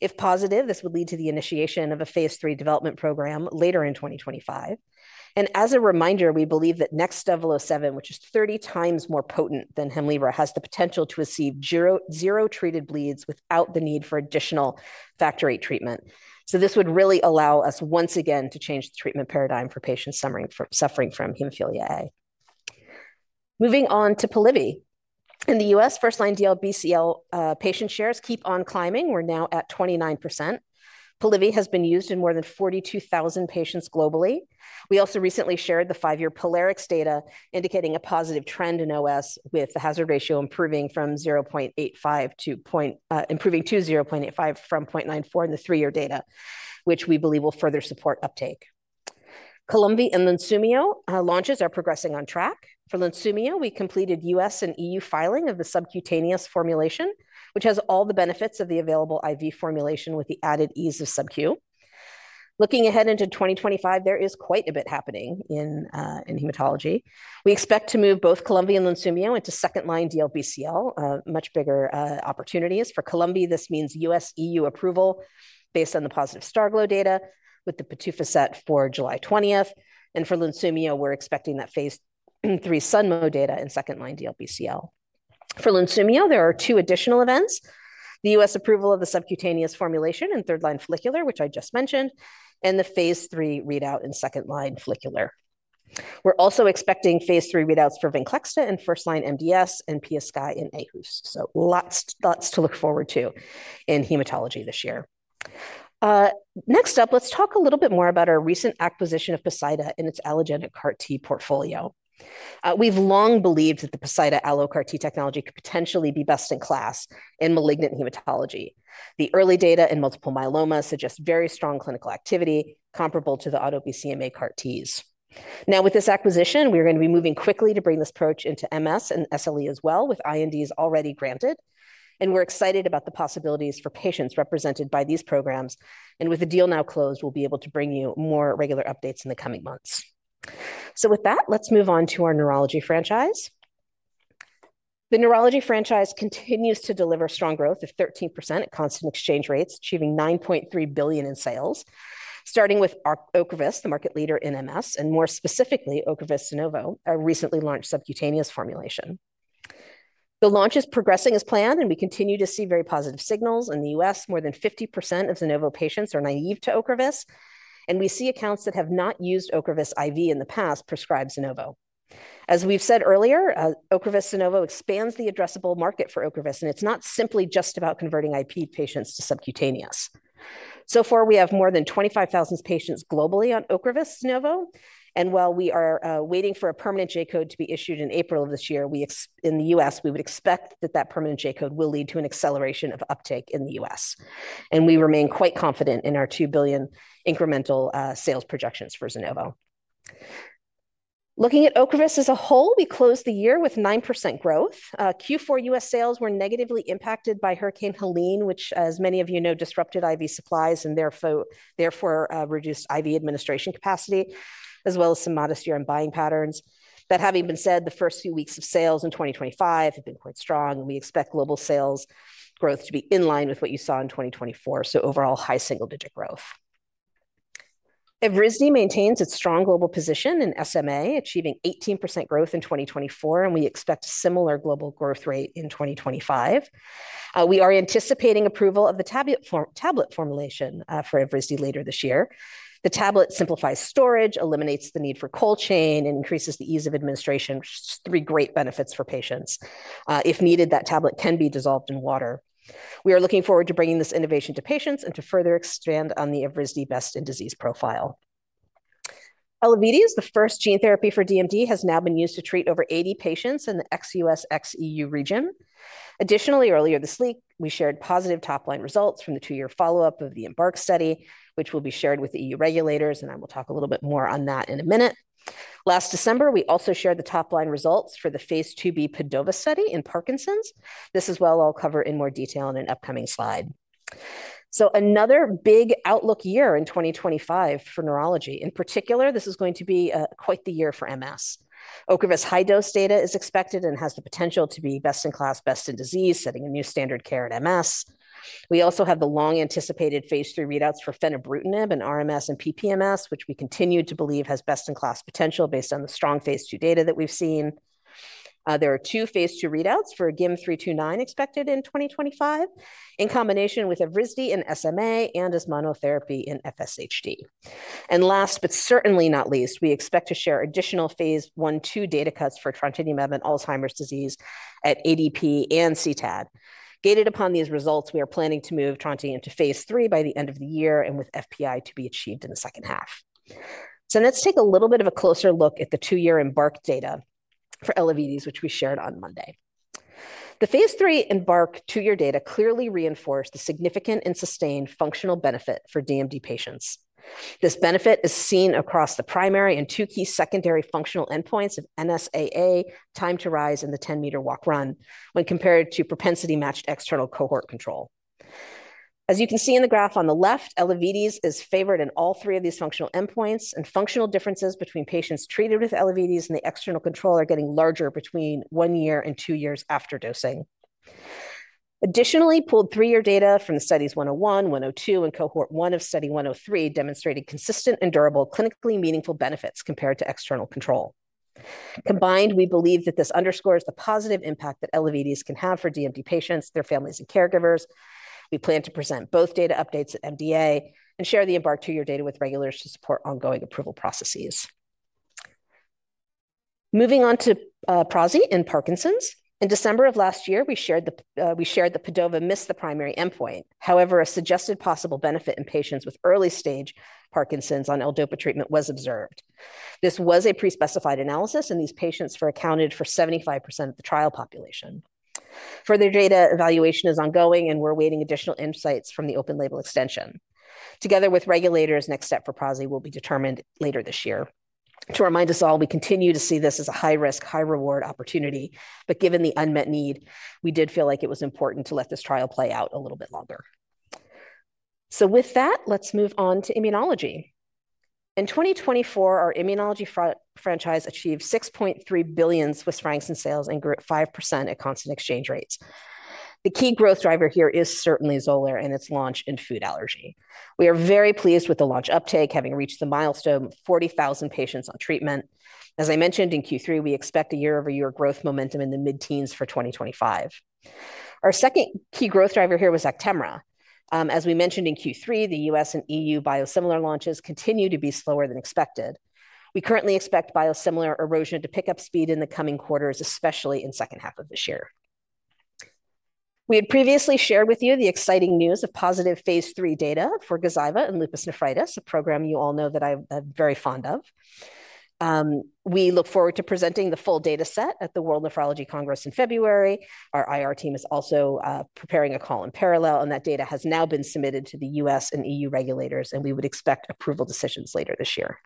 If positive, this would lead to the initiation of a phase III development program later in 2025, and as a reminder, we believe that NXT007, which is 30 times more potent than Hemlibra, has the potential to achieve zero treated bleeds without the need for additional factor VIII treatment, so this would really allow us once again to change the treatment paradigm for patients suffering from hemophilia A. Moving on to Polivy. In the U.S., first-line DLBCL patient shares keep on climbing. We're now at 29%. Polivy has been used in more than 42,000 patients globally. We also recently shared the five-year Polivy data, indicating a positive trend in OS, with the hazard ratio improving from 0.85 to 0.85 from 0.94 in the three-year data, which we believe will further support uptake. Columvi and Lunsumio launches are progressing on track. For Lunsumio, we completed U.S. and E.U. filing of the subcutaneous formulation, which has all the benefits of the available IV formulation with the added ease of subq. Looking ahead into 2025, there is quite a bit happening in hematology. We expect to move both Columvi and Lunsumio into second-line DLBCL, much bigger opportunities. For Columvi, this means U.S. E.U. approval based on the positive STARGLO data with the PDUFA set for July 20th. And for Lunsumio, we're expecting that phase III SUNMO data in second-line DLBCL. For Lunsumio, there are two additional events: the U.S. approval of the subcutaneous formulation and third-line follicular, which I just mentioned, and the phase III readout in second-line follicular. We're also expecting phase III readouts for Venclexta and first-line MDS and PiaSky in PNH, so lots to look forward to in hematology this year. Next up, let's talk a little bit more about our recent acquisition of Poseida and its allogeneic CAR-T portfolio. We've long believed that the Poseida alloCAR-T technology could potentially be best in class in malignant hematology. The early data in multiple myeloma suggests very strong clinical activity comparable to the auto BCMA CAR-Ts. Now, with this acquisition, we're going to be moving quickly to bring this approach into MS and SLE as well, with INDs already granted, and we're excited about the possibilities for patients represented by these programs. And with the deal now closed, we'll be able to bring you more regular updates in the coming months. So with that, let's move on to our neurology franchise. The neurology franchise continues to deliver strong growth of 13% at constant exchange rates, achieving 9.3 billion in sales, starting with Ocrevus, the market leader in MS, and more specifically, Ocrevus Zunovo, a recently launched subcutaneous formulation. The launch is progressing as planned, and we continue to see very positive signals in the U.S. More than 50% of Zunovo patients are naive to Ocrevus, and we see accounts that have not used Ocrevus IV in the past prescribe Zunovo. As we've said earlier, Ocrevus Zunovo expands the addressable market for Ocrevus, and it's not simply just about converting IV patients to subcutaneous. So far, we have more than 25,000 patients globally on Ocrevus Zunovo. While we are waiting for a permanent J code to be issued in April of this year, in the U.S., we would expect that that permanent J code will lead to an acceleration of uptake in the U.S. We remain quite confident in our 2 billion incremental sales projections for Zunovo. Looking at Ocrevus as a whole, we closed the year with 9% growth. Q4 U.S. sales were negatively impacted by Hurricane Helene, which, as many of you know, disrupted IV supplies and therefore reduced IV administration capacity, as well as some modest year-end buying patterns. That having been said, the first few weeks of sales in 2025 have been quite strong, and we expect global sales growth to be in line with what you saw in 2024. Overall, high single-digit growth. Evrysdi maintains its strong global position in SMA, achieving 18% growth in 2024, and we expect a similar global growth rate in 2025. We are anticipating approval of the tablet formulation for Evrysdi later this year. The tablet simplifies storage, eliminates the need for cold chain, and increases the ease of administration, which is three great benefits for patients. If needed, that tablet can be dissolved in water. We are looking forward to bringing this innovation to patients and to further expand on the Evrysdi best in disease profile. Elevidys is the first gene therapy for DMD that has now been used to treat over 80 patients in the ex-U.S. ex-E.U. region. Additionally, earlier this week, we shared positive top-line results from the two-year follow-up of the EMBARK study, which will be shared with E.U. regulators, and I will talk a little bit more on that in a minute. Last December, we also shared the top-line results for the phase 2B PADOVA study in Parkinson's. This as well, I'll cover in more detail in an upcoming slide, so another big outlook year in 2025 for neurology. In particular, this is going to be quite the year for MS. Ocrevus's high-dose data is expected and has the potential to be best-in-class, best-in-disease, setting a new standard of care in MS. We also have the long-anticipated phase III readouts for fenebrutinib and RMS and PPMS, which we continue to believe has best-in-class potential based on the strong phase II data that we've seen. There are two phase II readouts for GYM329 expected in 2025, in combination with Evrysdi in SMA and as monotherapy in FSHD. Last, but certainly not least, we expect to share additional phase 1/2 data cuts for trontinemab in Alzheimer's disease at AD/PD and CTAD. Gated upon these results, we are planning to move trontinemab into phase III by the end of the year and with FPI to be achieved in the second half. Let's take a little bit of a closer look at the two-year EMBARK data for Elevidys, which we shared on Monday. The phase III EMBARK two-year data clearly reinforced the significant and sustained functional benefit for DMD patients. This benefit is seen across the primary and two key secondary functional endpoints of NSAA, time to rise, and the 10-meter walk run when compared to propensity-matched external cohort control. As you can see in the graph on the left, Elevidys is favored in all three of these functional endpoints, and functional differences between patients treated with Elevidys and the external control are getting larger between one year and two years after dosing. Additionally, pooled three-year data from the studies 101, 102, and cohort one of study 103 demonstrated consistent and durable clinically meaningful benefits compared to external control. Combined, we believe that this underscores the positive impact that Elevidys can have for DMD patients, their families, and caregivers. We plan to present both data updates at MDA and share the EMBARK two-year data with regulators to support ongoing approval processes. Moving on to prasinezumab in Parkinson's. In December of last year, we shared the PASADENA missed the primary endpoint. However, a suggested possible benefit in patients with early stage Parkinson's on levodopa treatment was observed. This was a pre-specified analysis, and these patients were accounted for 75% of the trial population. Further data evaluation is ongoing, and we're awaiting additional insights from the open label extension. Together with regulators, next step for prasinezumab will be determined later this year. To remind us all, we continue to see this as a high-risk, high-reward opportunity, but given the unmet need, we did feel like it was important to let this trial play out a little bit longer. So with that, let's move on to immunology. In 2024, our immunology franchise achieved 6.3 billion Swiss francs in sales and grew at 5% at constant exchange rates. The key growth driver here is certainly Xolair and its launch in food allergy. We are very pleased with the launch uptake, having reached the milestone of 40,000 patients on treatment. As I mentioned in Q3, we expect a year-over-year growth momentum in the mid-teens for 2025. Our second key growth driver here was Actemra. As we mentioned in Q3, the U.S. and EU biosimilar launches continue to be slower than expected. We currently expect biosimilar erosion to pick up speed in the coming quarters, especially in the second half of this year. We had previously shared with you the exciting news of positive phase III data for Gazyva and lupus nephritis, a program you all know that I'm very fond of. We look forward to presenting the full data set at the World Nephrology Congress in February. Our IR team is also preparing a call in parallel, and that data has now been submitted to the U.S. and E.U. regulators, and we would expect approval decisions later this year.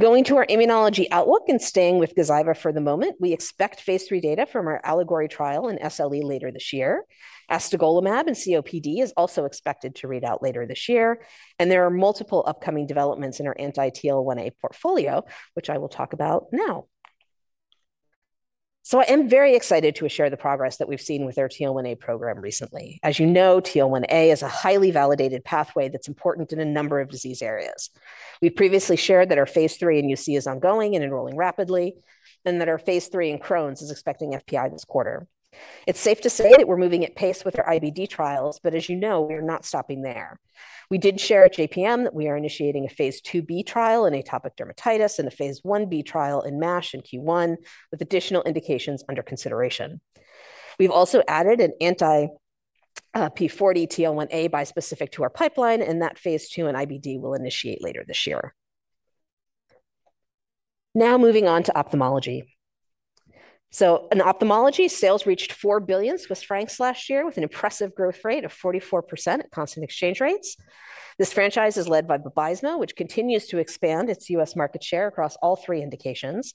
Going to our immunology outlook and staying with Gazyva for the moment, we expect phase III data from our ALLEGORY trial and SLE later this year. Astegolimab and COPD are also expected to read out later this year. And there are multiple upcoming developments in our anti-TL1A portfolio, which I will talk about now. So I am very excited to share the progress that we've seen with our TL1A program recently. As you know, TL1A is a highly validated pathway that's important in a number of disease areas. We previously shared that our phase III in UC is ongoing and enrolling rapidly, and that our phase III in Crohn's is expecting FPI this quarter. It's safe to say that we're moving at pace with our IBD trials, but as you know, we are not stopping there. We did share at JPM that we are initiating a phase 2B trial in atopic dermatitis and a phase 1B trial in MASH in Q1 with additional indications under consideration. We've also added an anti-P40 TL1A bispecific to our pipeline, and that phase II in IBD will initiate later this year. Now moving on to ophthalmology. So in ophthalmology, sales reached 4 billion Swiss francs last year with an impressive growth rate of 44% at constant exchange rates. This franchise is led by Vabysmo, which continues to expand its U.S. market share across all three indications.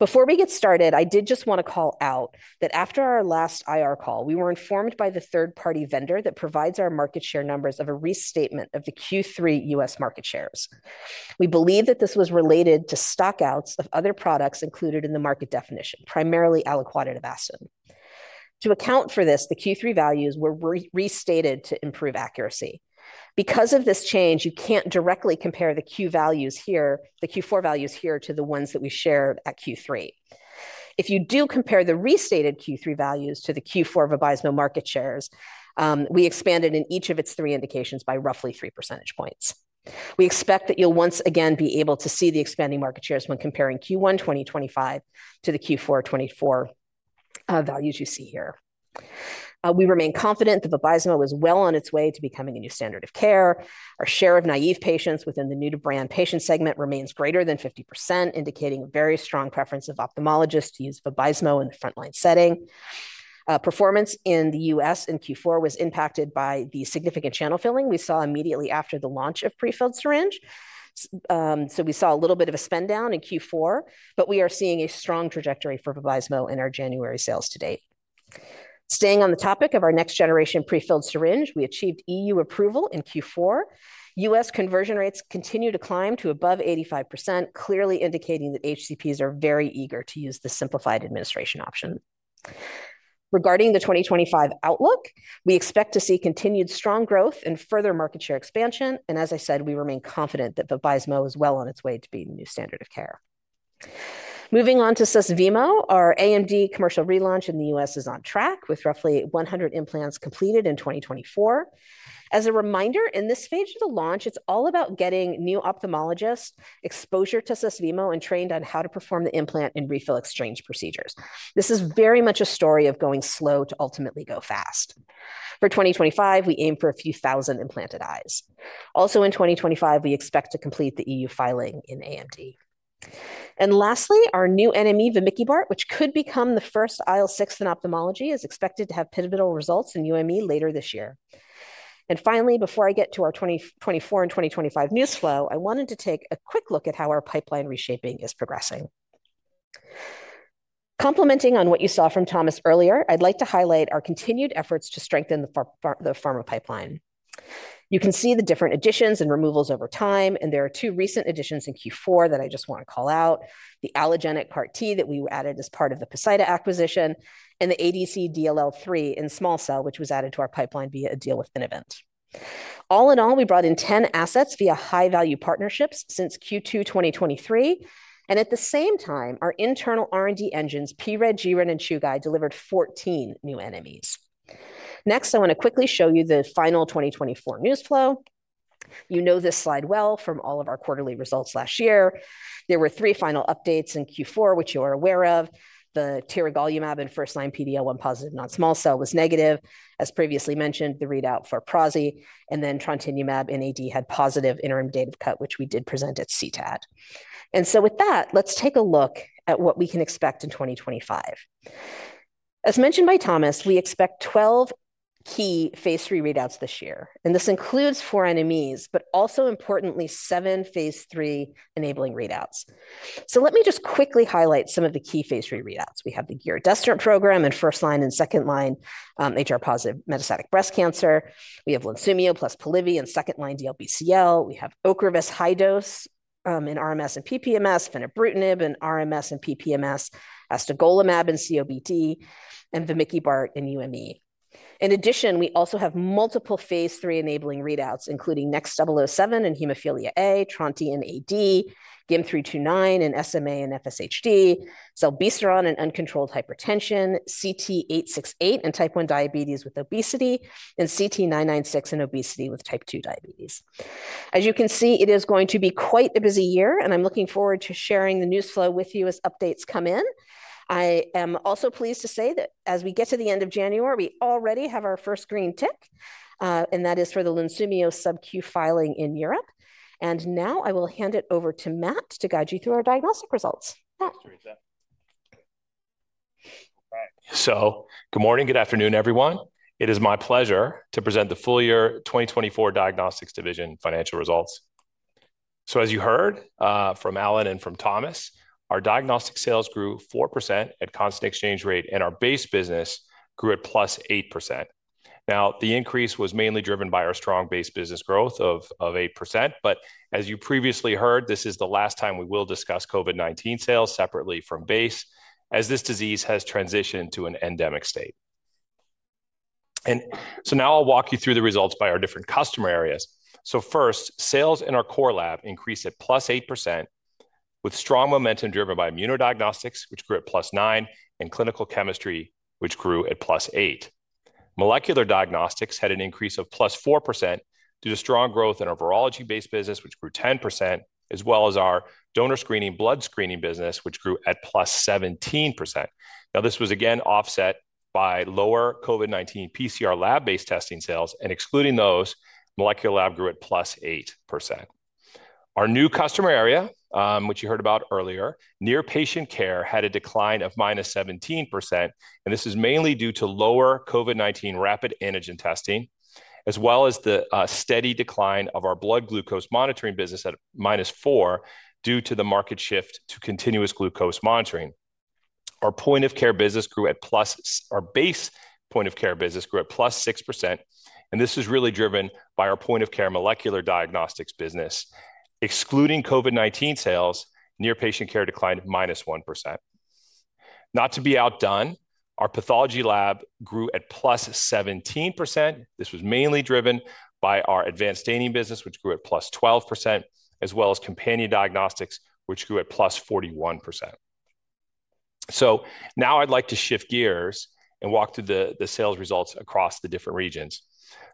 Before we get started, I did just want to call out that after our last IR call, we were informed by the third-party vendor that provides our market share numbers of a restatement of the Q3 U.S. market shares. We believe that this was related to stockouts of other products included in the market definition, primarily aliquoted Avastin. To account for this, the Q3 values were restated to improve accuracy. Because of this change, you can't directly compare the Q4 values here to the ones that we shared at Q3. If you do compare the restated Q3 values to the Q4 Vabysmo market shares, we expanded in each of its three indications by roughly three percentage points. We expect that you'll once again be able to see the expanding market shares when comparing Q1 2025 to the Q4 24 values you see here. We remain confident that Vabysmo is well on its way to becoming a new standard of care. Our share of naive patients within the new-to-brand patient segment remains greater than 50%, indicating a very strong preference of ophthalmologists to use Vabysmo in the front-line setting. Performance in the U.S. in Q4 was impacted by the significant channel filling we saw immediately after the launch of prefilled syringe. So we saw a little bit of a spend down in Q4, but we are seeing a strong trajectory for Vabysmo in our January sales to date. Staying on the topic of our next generation prefilled syringe, we achieved EU approval in Q4. U.S. conversion rates continue to climb to above 85%, clearly indicating that HCPs are very eager to use the simplified administration option. Regarding the 2025 outlook, we expect to see continued strong growth and further market share expansion. And as I said, we remain confident that Vabysmo is well on its way to being a new standard of care. Moving on to Susvimo, our AMD commercial relaunch in the U.S. is on track with roughly 100 implants completed in 2024. As a reminder, in this phase of the launch, it's all about getting new ophthalmologists exposure to Susvimo and trained on how to perform the implant and refill exchange procedures. This is very much a story of going slow to ultimately go fast. For 2025, we aim for a few thousand implanted eyes. Also in 2025, we expect to complete the EU filing in AMD. And lastly, our new NME, vamikibart, which could become the first IL-6 in ophthalmology, is expected to have pivotal results in UME later this year. And finally, before I get to our 2024 and 2025 news flow, I wanted to take a quick look at how our pipeline reshaping is progressing. Commenting on what you saw from Thomas earlier, I'd like to highlight our continued efforts to strengthen the Pharma pipeline. You can see the different additions and removals over time, and there are two recent additions in Q4 that I just want to call out: the allogeneic CAR-T that we added as part of the Poseida acquisition and the ADC DLL3 in small cell, which was added to our pipeline via a deal with Innovent. All in all, we brought in 10 assets via high-value partnerships since Q2 2023. And at the same time, our internal R&D engines, pRED, gRED, and Chugai, delivered 14 new NMEs. Next, I want to quickly show you the final 2024 news flow. You know this slide well from all of our quarterly results last year. There were three final updates in Q4, which you are aware of. The tiragolumab and first-line PD-L1 positive non-small cell was negative. As previously mentioned, the readout for prasinezumab and then trontinemab had positive interim data cut, which we did present at CTAD. With that, let's take a look at what we can expect in 2025. As mentioned by Thomas, we expect 12 key phase III readouts this year. This includes four NMEs, but also importantly, seven phase III enabling readouts. Let me just quickly highlight some of the key phase III readouts. We have the giredestrant program in first line and second line HR positive metastatic breast cancer. We have Lunsumio plus Polivy in second line DLBCL. We have Ocrevus high dose in RMS and PPMS, fenebrutinib in RMS and PPMS, astegolimab in COPD, and vamikibart in UME. In addition, we also have multiple phase III enabling readouts, including NXT007 in hemophilia A, trontinemab, GYM329 in SMA and FSHD, zilebesiran in uncontrolled hypertension, CT-868 in type 1 diabetes with obesity, and CT-996 in obesity with type 2 diabetes. As you can see, it is going to be quite a busy year, and I'm looking forward to sharing the news flow with you as updates come in. I am also pleased to say that as we get to the end of January, we already have our first green tick, and that is for the Lunsumio sub-Q filing in Europe. And now I will hand it over to Matt to guide you through our Diagnostic results. Matt.
All right, so good morning, good afternoon, everyone. It is my pleasure to present the full year 2024 Diagnostics Division financial results. So as you heard from Alan and from Thomas, our diagnostic sales grew 4% at constant exchange rate, and our base business grew at +8%. Now, the increase was mainly driven by our strong base business growth of 8%, but as you previously heard, this is the last time we will discuss COVID-19 sales separately from base, as this disease has transitioned to an endemic state. And so now I'll walk you through the results by our different customer areas. So first, sales in our core lab increased at +8%, with strong momentum driven by immunodiagnostics, which grew at +9%, and clinical chemistry, which grew at +8%. Molecular diagnostics had an increase of +4% due to strong growth in our virology-based business, which grew 10%, as well as our donor screening blood screening business, which grew at +17%. Now, this was again offset by lower COVID-19 PCR lab-based testing sales, and excluding those, molecular lab grew at +8%. Our new customer area, which you heard about earlier, near patient care had a decline of -17%, and this is mainly due to lower COVID-19 rapid antigen testing, as well as the steady decline of our blood glucose monitoring business at -4% due to the market shift to continuous glucose monitoring. Our base point of care business grew at +6%, and this is really driven by our Point of Care molecular diagnostics business. Excluding COVID-19 sales, near patient care declined -1%. Not to be outdone, our pathology lab grew at +17%. This was mainly driven by our advanced staining business, which grew at +12%, as well as companion diagnostics, which grew at +41%. So now I'd like to shift gears and walk through the sales results across the different regions.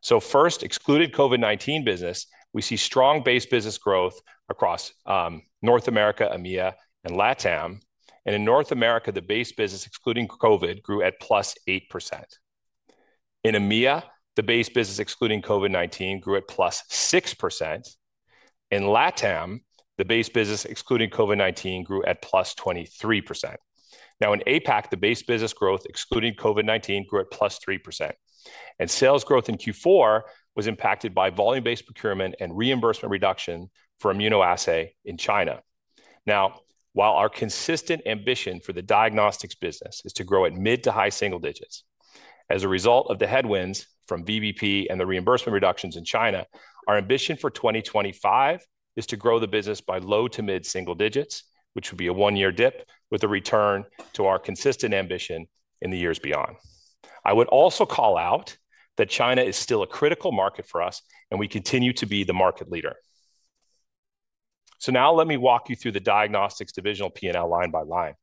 So first, excluding COVID-19 business, we see strong base business growth across North America, EMEA, and LATAM. And in North America, the base business excluding COVID grew at +8%. In EMEA, the base business excluding COVID-19 grew at +6%. In LATAM, the base business excluding COVID-19 grew at +23%. Now, in APAC, the base business growth excluding COVID-19 grew at +3%. And sales growth in Q4 was impacted by volume-based procurement and reimbursement reduction for immunoassay in China. Now, while our consistent ambition for the Diagnostics business is to grow at mid to high single digits, as a result of the headwinds from VBP and the reimbursement reductions in China, our ambition for 2025 is to grow the business by low to mid single digits, which would be a one-year dip with a return to our consistent ambition in the years beyond. I would also call out that China is still a critical market for us, and we continue to be the market leader. So now let me walk you through the Diagnostics divisional P&L line by line.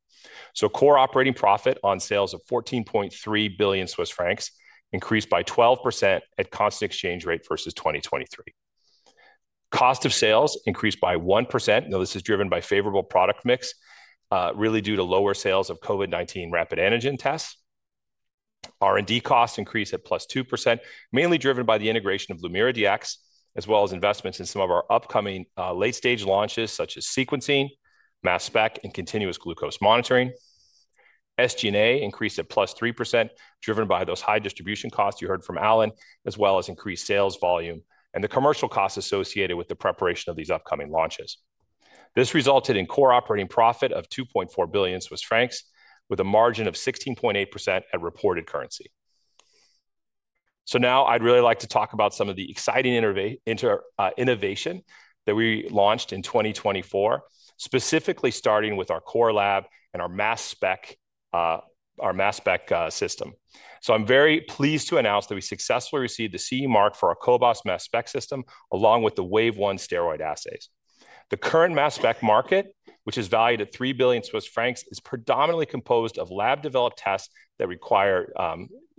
So core operating profit on sales of 14.3 billion Swiss francs increased by 12% at constant exchange rate versus 2023. Cost of sales increased by 1%, though this is driven by favorable product mix, really due to lower sales of COVID-19 rapid antigen tests. R&D costs increased at +2%, mainly driven by the integration of LumiraDx, as well as investments in some of our upcoming late-stage launches such as sequencing, mass spec, and continuous glucose monitoring. SG&A increased at +3%, driven by those high distribution costs you heard from Alan, as well as increased sales volume and the commercial costs associated with the preparation of these upcoming launches. This resulted in core operating profit of 2.4 billion Swiss francs with a margin of 16.8% at reported currency. Now I'd really like to talk about some of the exciting innovation that we launched in 2024, specifically starting with our core lab and our mass spec system. I'm very pleased to announce that we successfully received the CE mark for our cobas Mass Spec system, along with the wave one steroid assays. The current mass spec market, which is valued at 3 billion Swiss francs, is predominantly composed of lab-developed tests that require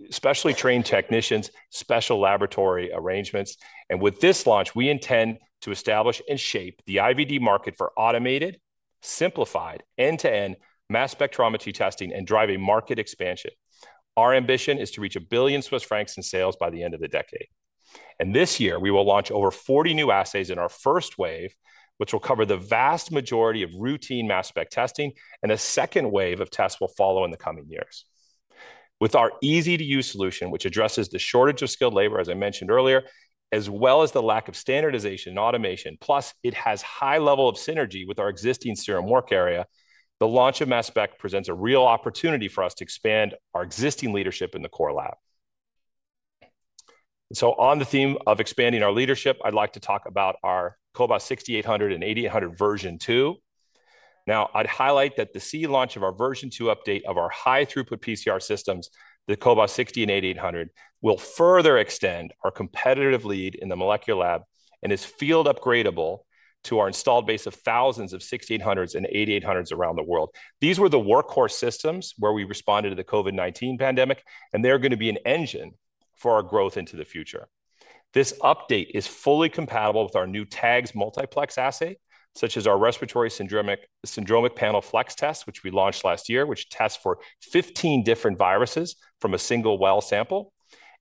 specially trained technicians, special laboratory arrangements, and with this launch, we intend to establish and shape the IVD market for automated, simplified, end-to-end mass spectrometry testing and drive a market expansion. Our ambition is to reach 1 billion Swiss francs in sales by the end of the decade, and this year, we will launch over 40 new assays in our first wave, which will cover the vast majority of routine mass spec testing, and a second wave of tests will follow in the coming years. With our easy-to-use solution, which addresses the shortage of skilled labor, as I mentioned earlier, as well as the lack of standardization and automation, plus it has a high level of synergy with our existing serum work area, the launch of mass spec presents a real opportunity for us to expand our existing leadership in the core lab. So on the theme of expanding our leadership, I'd like to talk about our cobas 6800 and 8800 version 2. Now, I'd highlight that the CE launch of our version 2 update of our high-throughput PCR systems, the cobas 6800 and 8800, will further extend our competitive lead in the molecular lab and is field upgradable to our installed base of thousands of 6800s and 8800s around the world. These were the workhorse systems where we responded to the COVID-19 pandemic, and they're going to be an engine for our growth into the future. This update is fully compatible with our new TAGS multiplex assay, such as our respiratory syndromic panel flex test, which we launched last year, which tests for 15 different viruses from a single well sample,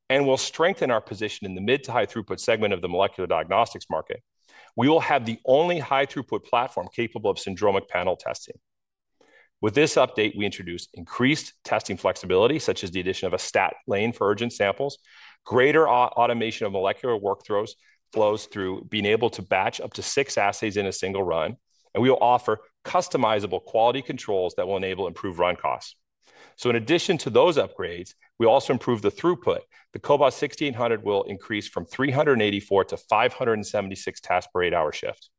and will strengthen our position in the mid to high-throughput segment of the molecular diagnostics market. We will have the only high-throughput platform capable of syndromic panel testing. With this update, we introduce increased testing flexibility, such as the addition of a stat lane for urgent samples, greater automation of molecular workflows through being able to batch up to six assays in a single run, and we will offer customizable quality controls that will enable improved run costs. In addition to those upgrades, we also improve the throughput. The cobas 6800 will increase from 384-576 tasks per eight-hour shift.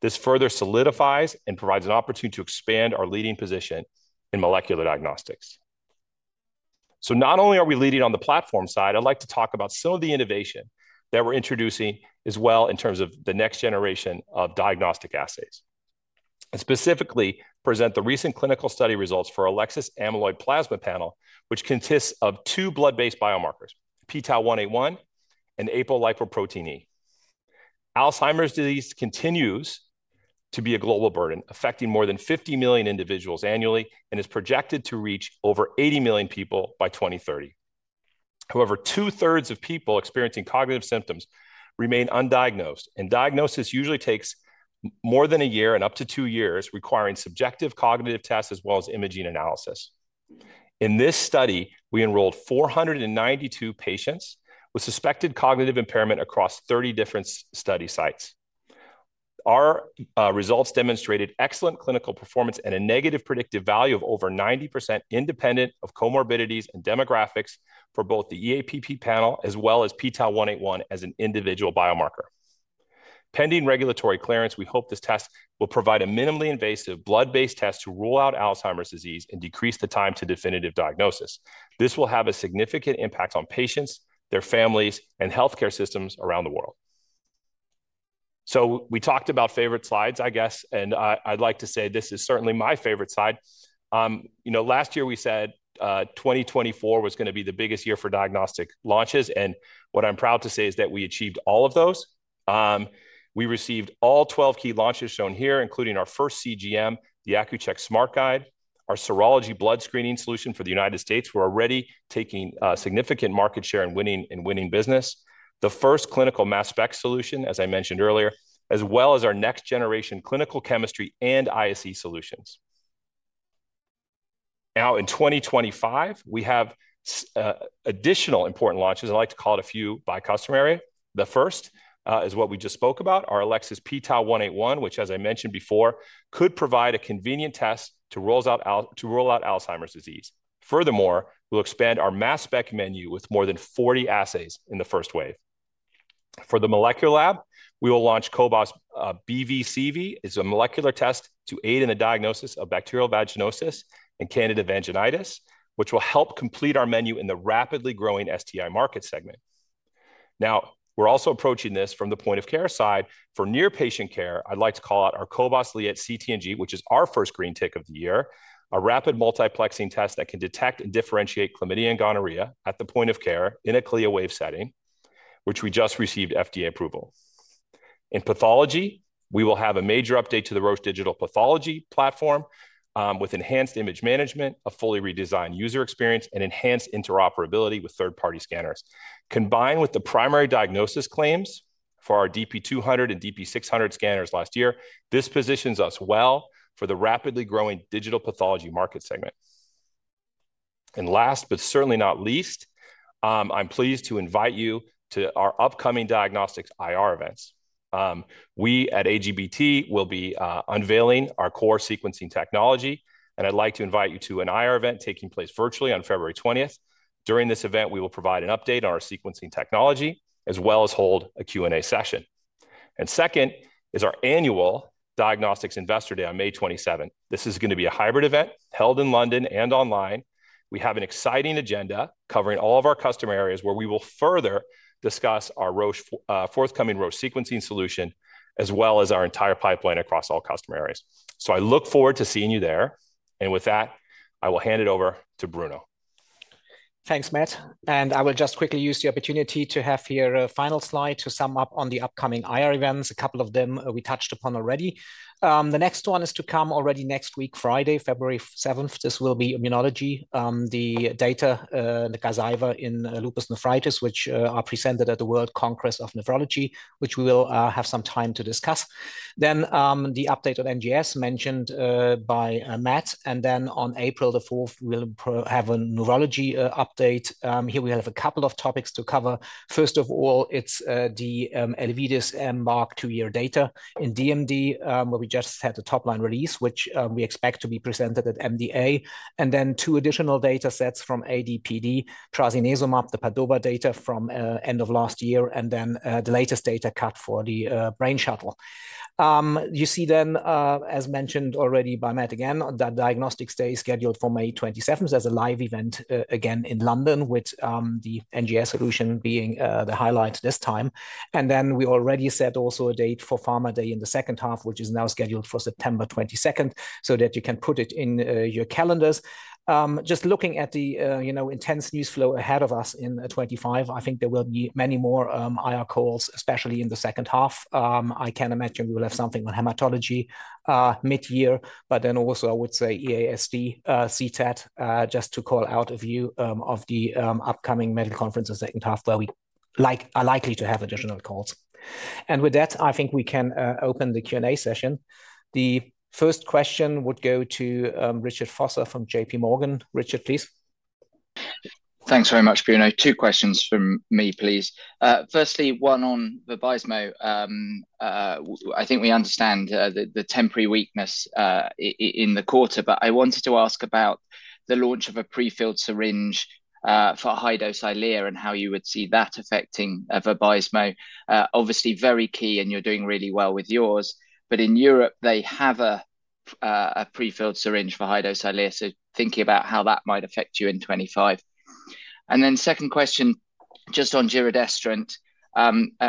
This further solidifies and provides an opportunity to expand our leading position in molecular diagnostics. So not only are we leading on the platform side, I'd like to talk about some of the innovation that we're introducing as well in terms of the next generation of diagnostic assays. And specifically, present the recent clinical study results for the Elecsys Amyloid Plasma Panel, which consists of two blood-based biomarkers, pTau181 and apolipoprotein E. Alzheimer's disease continues to be a global burden, affecting more than 50 million individuals annually, and is projected to reach over 80 million people by 2030. However, two-thirds of people experiencing cognitive symptoms remain undiagnosed, and diagnosis usually takes more than a year and up to two years, requiring subjective cognitive tests as well as imaging analysis. In this study, we enrolled 492 patients with suspected cognitive impairment across 30 different study sites. Our results demonstrated excellent clinical performance and a negative predictive value of over 90% independent of comorbidities and demographics for both the EAPP panel as well as pTau181 as an individual biomarker. Pending regulatory clearance, we hope this test will provide a minimally invasive blood-based test to rule out Alzheimer's disease and decrease the time to definitive diagnosis. This will have a significant impact on patients, their families, and healthcare systems around the world. So we talked about favorite slides, I guess, and I'd like to say this is certainly my favorite slide. Last year, we said 2024 was going to be the biggest year for diagnostic launches, and what I'm proud to say is that we achieved all of those. We received all 12 key launches shown here, including our first CGM, the Accu-Chek SmartGuide, our serology blood screening solution for the United States, where we're already taking significant market share and winning business, the first clinical mass spec solution, as I mentioned earlier, as well as our next-generation clinical chemistry and ISE solutions. Now, in 2025, we have additional important launches. I'd like to call it a few by customer area. The first is what we just spoke about, our Elecsys pTau181, which, as I mentioned before, could provide a convenient test to rule out Alzheimer's disease. Furthermore, we'll expand our mass spec menu with more than 40 assays in the first wave. For the molecular lab, we will launch cobas BV/CV as a molecular test to aid in the diagnosis of bacterial vaginosis and Candida vaginitis, which will help complete our menu in the rapidly growing STI market segment. Now, we're also approaching this from the point of care side. For near patient care, I'd like to call out our cobas Liat CT/NG, which is our first green tick of the year, a rapid multiplexing test that can detect and differentiate chlamydia and gonorrhea at the point of care in a CLIA-waived setting, which we just received FDA approval. In pathology, we will have a major update to the Roche Digital Pathology platform with enhanced image management, a fully redesigned user experience, and enhanced interoperability with third-party scanners. Combined with the primary diagnosis claims for our DP 200 and DP 600 scanners last year, this positions us well for the rapidly growing digital pathology market segment, and last, but certainly not least, I'm pleased to invite you to our upcoming Diagnostics IR events. We at AGBT will be unveiling our core sequencing technology, and I'd like to invite you to an IR event taking place virtually on February 20th. During this event, we will provide an update on our sequencing technology, as well as hold a Q&A session, and second is our annual Diagnostics Investor Day on May 27th. This is going to be a hybrid event held in London and online. We have an exciting agenda covering all of our customer areas where we will further discuss our forthcoming Roche sequencing solution, as well as our entire pipeline across all customer areas. So I look forward to seeing you there. And with that, I will hand it over to Bruno.
Thanks, Matt. And I will just quickly use the opportunity to have here a final slide to sum up on the upcoming IR events. A couple of them we touched upon already. The next one is to come already next week, Friday, February 7th. This will be immunology, the data in the Gazyva in lupus nephritis, which are presented at the World Congress of Nephrology, which we will have some time to discuss. Then the update on NGS mentioned by Matt. And then on April the 4th, we'll have a neurology update. Here we have a couple of topics to cover. First of all, it's the Elevidys EMBARK two-year data in DMD, where we just had the top-line release, which we expect to be presented at MDA. And then two additional data sets from AD/PD, trontinemab, the PADOVA data from the end of last year, and then the latest data cut for the Brain Shuttle. You see then, as mentioned already by Matt again, that Diagnostics Day is scheduled for May 27th. There's a live event again in London, with the NGS solution being the highlight this time. And then we already set also a date for Pharma Day in the second half, which is now scheduled for September 22nd, so that you can put it in your calendars. Just looking at the intense news flow ahead of us in 2025, I think there will be many more IR calls, especially in the second half. I can imagine we will have something on hematology mid-year, but then also I would say EASD, CTAD, just to call out a few of the upcoming medical conferences in the second half, where we are likely to have additional calls. And with that, I think we can open the Q&A session. The first question would go to Richard Vosser from J.P. Morgan. Richard, please.
Thanks very much, Bruno. Two questions from me, please. Firstly, one on Vabysmo. I think we understand the temporary weakness in the quarter, but I wanted to ask about the launch of a prefilled syringe for high-dose Eylea and how you would see that affecting Vabysmo. Obviously, very key, and you're doing really well with yours. But in Europe, they have a prefilled syringe for high-dose Eylea, so thinking about how that might affect you in 2025. And then second question, just on giredestrant,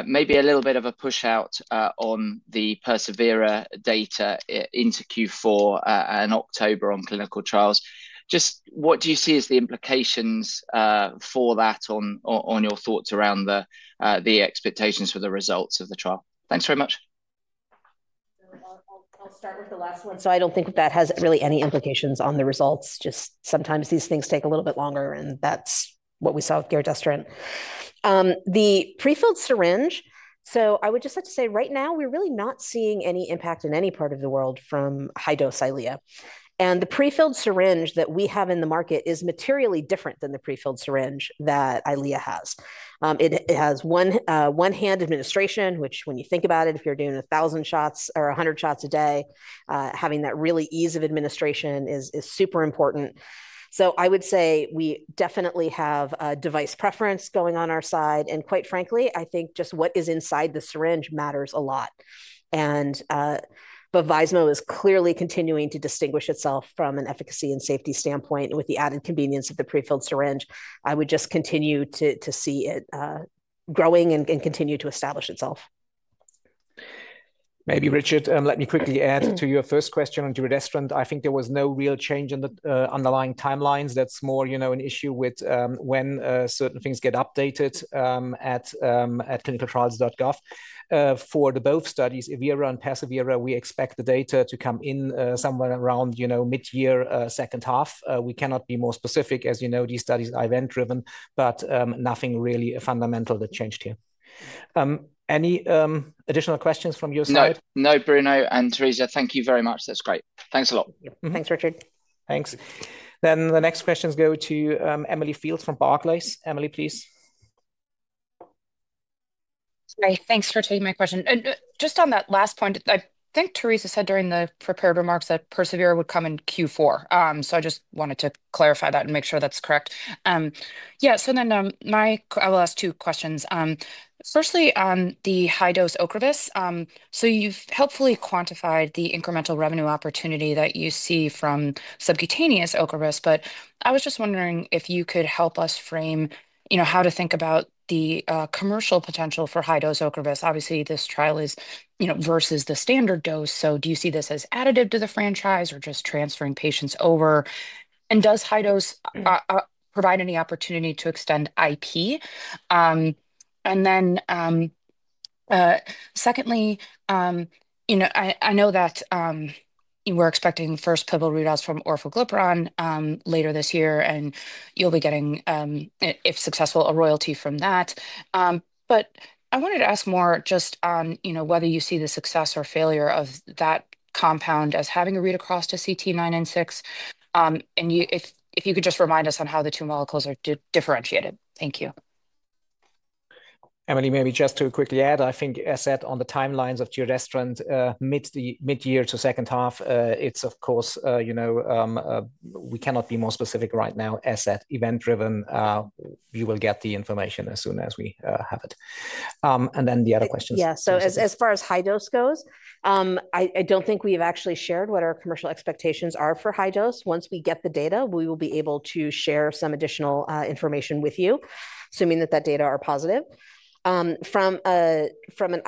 maybe a little bit of a push-out on the persevERA data into Q4 in October on clinical trials. Just what do you see as the implications for that on your thoughts around the expectations for the results of the trial? Thanks very much.
I'll start with the last one. So I don't think that has really any implications on the results. Just sometimes these things take a little bit longer, and that's what we saw with giredestrant. The prefilled syringe, so I would just like to say right now, we're really not seeing any impact in any part of the world from high-dose Eylea. And the prefilled syringe that we have in the market is materially different than the prefilled syringe that Eylea has. It has one hand administration, which when you think about it, if you're doing 1,000 shots or 100 shots a day, having that really ease of administration is super important. So I would say we definitely have a device preference going on our side. And quite frankly, I think just what is inside the syringe matters a lot. Vabysmo is clearly continuing to distinguish itself from an efficacy and safety standpoint with the added convenience of the prefilled syringe. I would just continue to see it growing and continue to establish itself.
Maybe, Richard, let me quickly add to your first question on giredestrant. I think there was no real change in the underlying timelines. That's more an issue with when certain things get updated at clinicaltrials.gov. For the both studies, evERA and persevERA, we expect the data to come in somewhere around mid-year, second half. We cannot be more specific. As you know, these studies are event-driven, but nothing really fundamental that changed here.
Any additional questions from your side?
No, Bruno and Teresa, thank you very much. That's great. Thanks a lot.
Thanks, Richard.
Thanks. Then the next questions go to Emily Field from Barclays. Emily, please.
Sorry, thanks for taking my question. Just on that last point, I think Teresa said during the prepared remarks that persevERA would come in Q4. So I just wanted to clarify that and make sure that's correct. Yeah, so then my last two questions. Firstly, on the high-dose Ocrevus, so you've helpfully quantified the incremental revenue opportunity that you see from subcutaneous Ocrevus, but I was just wondering if you could help us frame how to think about the commercial potential for high-dose Ocrevus. Obviously, this trial is versus the standard dose. So do you see this as additive to the franchise or just transferring patients over? And does high-dose provide any opportunity to extend IP? And then secondly, I know that we're expecting first pivotal readouts from orforglipron later this year, and you'll be getting, if successful, a royalty from that. But I wanted to ask more just on whether you see the success or failure of that compound as having a read across to CT-996. And if you could just remind us on how the two molecules are differentiated? Thank you.
Emily, maybe just to quickly add, I think as said on the timelines of giredestrant, mid-year to second half, it's of course, we cannot be more specific right now as that event-driven. You will get the information as soon as we have it. And then the other questions.
Yeah, so as far as high-dose goes, I don't think we've actually shared what our commercial expectations are for high-dose. Once we get the data, we will be able to share some additional information with you, assuming that that data are positive. From an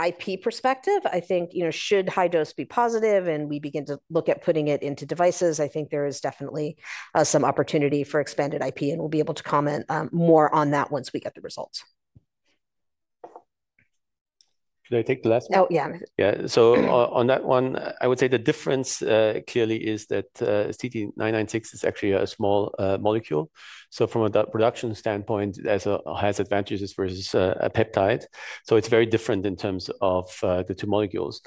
IP perspective, I think should high-dose be positive and we begin to look at putting it into devices, I think there is definitely some opportunity for expanded IP, and we'll be able to comment more on that once we get the results.
Could I take the last one?
Oh, yeah.
Yeah, so on that one, I would say the difference clearly is that CT-996 is actually a small molecule. So from a production standpoint, it has advantages versus a peptide. So it's very different in terms of the two molecules.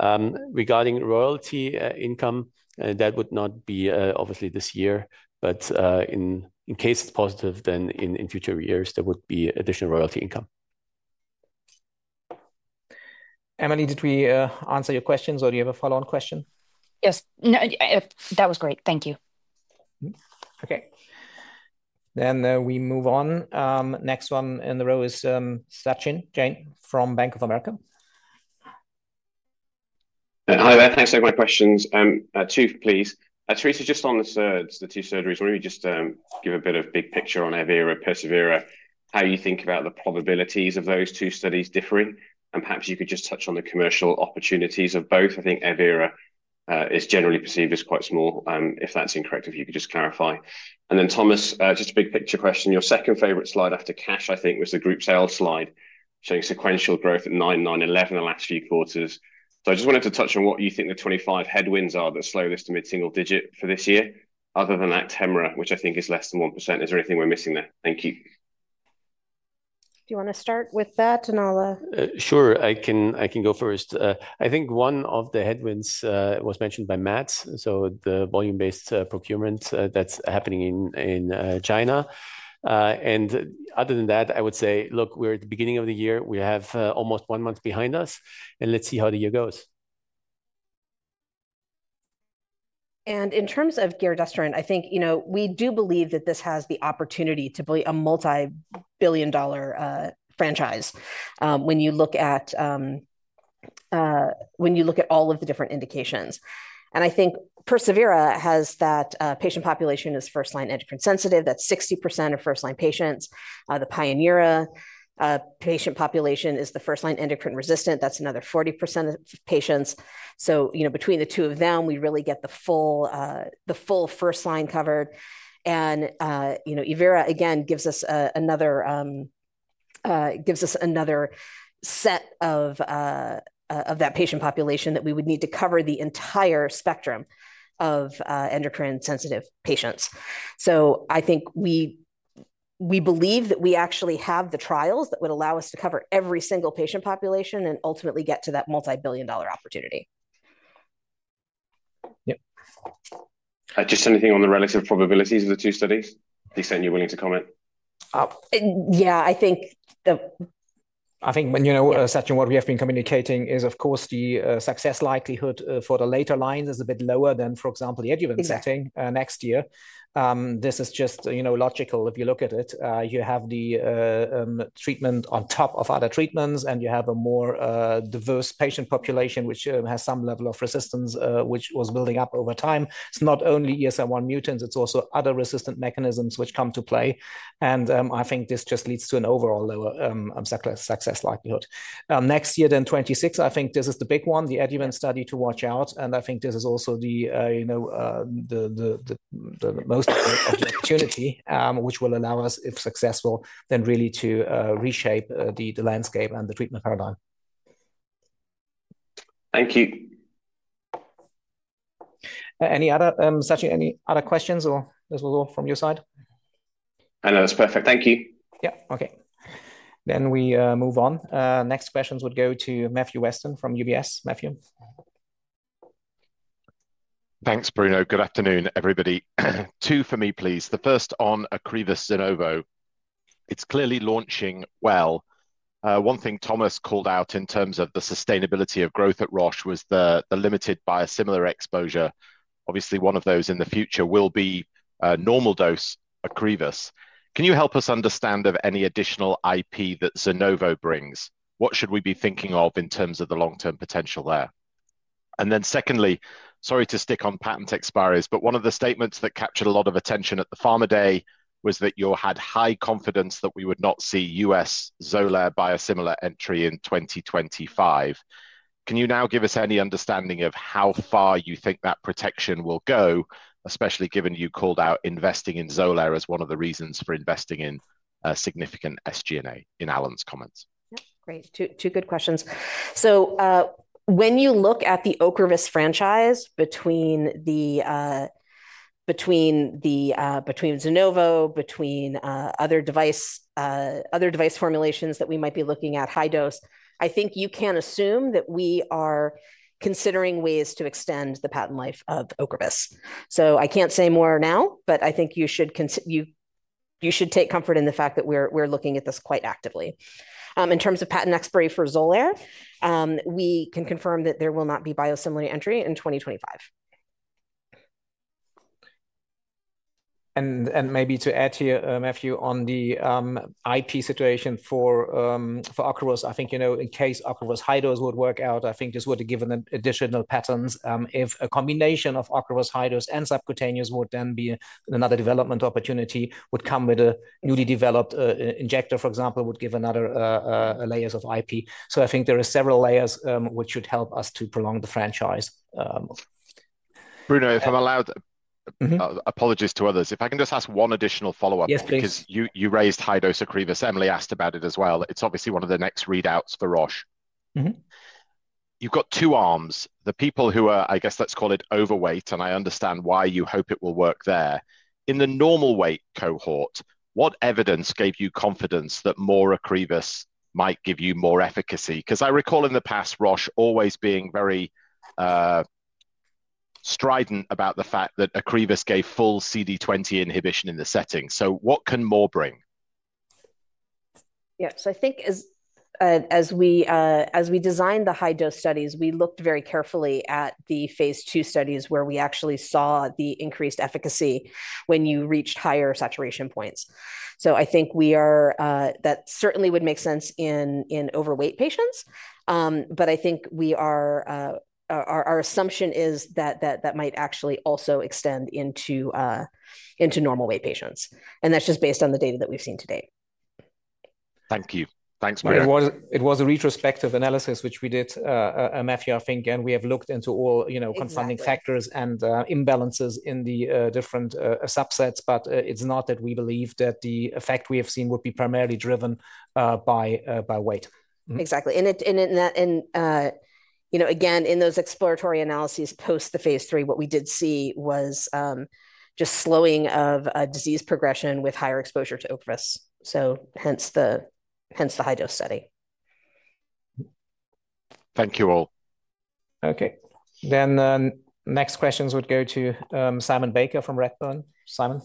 Regarding royalty income, that would not be obviously this year, but in case it's positive, then in future years, there would be additional royalty income.
Emily, did we answer your questions, or do you have a follow-on question?
Yes, that was great. Thank you.
Okay. Then we move on. Next one in the row is Sachin Jain from Bank of America.
Hi, thanks for my questions. Two, please. Teresa, just on the two studies, why don't you just give a bit of big picture on evERA, persevERA, how you think about the probabilities of those two studies differing, and perhaps you could just touch on the commercial opportunities of both. I think evERA is generally perceived as quite small. If that's incorrect, if you could just clarify. And then Thomas, just a big picture question. Your second favorite slide after cash, I think, was the group sales slide showing sequential growth at 9%, 9%, 11% in the last few quarters. So I just wanted to touch on what you think the '25 headwinds are that slow this to mid-single digit for this year. Other than that, Actemra, which I think is less than 1%, is there anything we're missing there? Thank you.
Do you want to start with that, and I'll...
Sure, I can go first. I think one of the headwinds was mentioned by Matt, so the volume-based procurement that's happening in China, and other than that, I would say, look, we're at the beginning of the year. We have almost one month behind us, and let's see how the year goes.
And in terms of giredestrant, I think we do believe that this has the opportunity to be a multi-billion dollar franchise when you look at all of the different indications. And I think persevERA has that patient population is first-line endocrine sensitive. That's 60% of first-line patients. The pionERA patient population is the first-line endocrine resistant. That's another 40% of patients. So between the two of them, we really get the full first-line covered. And evERA, again, gives us another set of that patient population that we would need to cover the entire spectrum of endocrine-sensitive patients. So I think we believe that we actually have the trials that would allow us to cover every single patient population and ultimately get to that multi-billion dollar opportunity.
Yeah. Just anything on the relative probabilities of the two studies? Teresa, you're willing to comment?
Yeah
I think Sachin, what we have been communicating is, of course, the success likelihood for the later lines is a bit lower than, for example, the adjuvant setting next year. This is just logical if you look at it. You have the treatment on top of other treatments, and you have a more diverse patient population, which has some level of resistance, which was building up over time. It's not only ESR1 mutants. It's also other resistant mechanisms which come to play. And I think this just leads to an overall lower success likelihood. Next year, then 2026, I think this is the big one, the adjuvant study to watch out. And I think this is also the most opportunity, which will allow us, if successful, then really to reshape the landscape and the treatment paradigm.
Thank you.
Any other, Sachin, any other questions, or this was all from your side?
No, that's perfect. Thank you.
Yeah, okay. Then we move on. Next questions would go to Matthew Weston from UBS. Matthew.
Thanks, Bruno. Good afternoon, everybody. Two for me, please. The first on Ocrevus Zunovo. It's clearly launching well. One thing Thomas called out in terms of the sustainability of growth at Roche was the limited biosimilar exposure. Obviously, one of those in the future will be normal dose Ocrevus. Can you help us understand of any additional IP that Zunovo brings? What should we be thinking of in terms of the long-term potential there? And then secondly, sorry to stick on patent expires, but one of the statements that captured a lot of attention at the Pharma Day was that you had high confidence that we would not see U.S. Xolair biosimilar entry in 2025. Can you now give us any understanding of how far you think that protection will go, especially given you called out investing in Xolair as one of the reasons for investing in significant SG&A in Alan's comments?
Yep, great. Two good questions. So when you look at the Ocrevus franchise between Zunovo, between other device formulations that we might be looking at high dose, I think you can assume that we are considering ways to extend the patent life of Ocrevus. So I can't say more now, but I think you should take comfort in the fact that we're looking at this quite actively. In terms of patent expiry for Xolair, we can confirm that there will not be biosimilar entry in 2025.
And maybe to add here, Matthew, on the IP situation for Ocrevus. I think in case Ocrevus high-dose would work out, I think this would have given additional patents if a combination of Ocrevus high-dose and subcutaneous would then be another development opportunity, would come with a newly developed injector, for example, would give another layers of IP. So I think there are several layers which should help us to prolong the franchise.
Bruno, if I'm allowed. Apologies to others, if I can just ask one additional follow-up.
Yes, please.
Because you raised high-dose Ocrevus. Emily asked about it as well. It's obviously one of the next readouts for Roche. You've got two arms. The people who are, I guess let's call it overweight, and I understand why you hope it will work there. In the normal weight cohort, what evidence gave you confidence that more Ocrevus might give you more efficacy? Because I recall in the past, Roche always being very strident about the fact that Ocrevus gave full CD20 inhibition in the setting. So what can more bring?
Yeah, so I think as we designed the high-dose studies, we looked very carefully at the phase II studies where we actually saw the increased efficacy when you reached higher saturation points. So I think that certainly would make sense in overweight patients. But I think our assumption is that that might actually also extend into normal weight patients. And that's just based on the data that we've seen today.
Thank you. Thanks, Teresa.
It was a retrospective analysis, which we did, Matthew, I think, and we have looked into all confounding factors and imbalances in the different subsets, but it's not that we believe that the effect we have seen would be primarily driven by weight.
Exactly, and again, in those exploratory analyses post the phase III, what we did see was just slowing of disease progression with higher exposure to Ocrevus, so hence the high-dose study.
Thank you all.
Okay. Then next questions would go to Simon Baker from Redburn. Simon?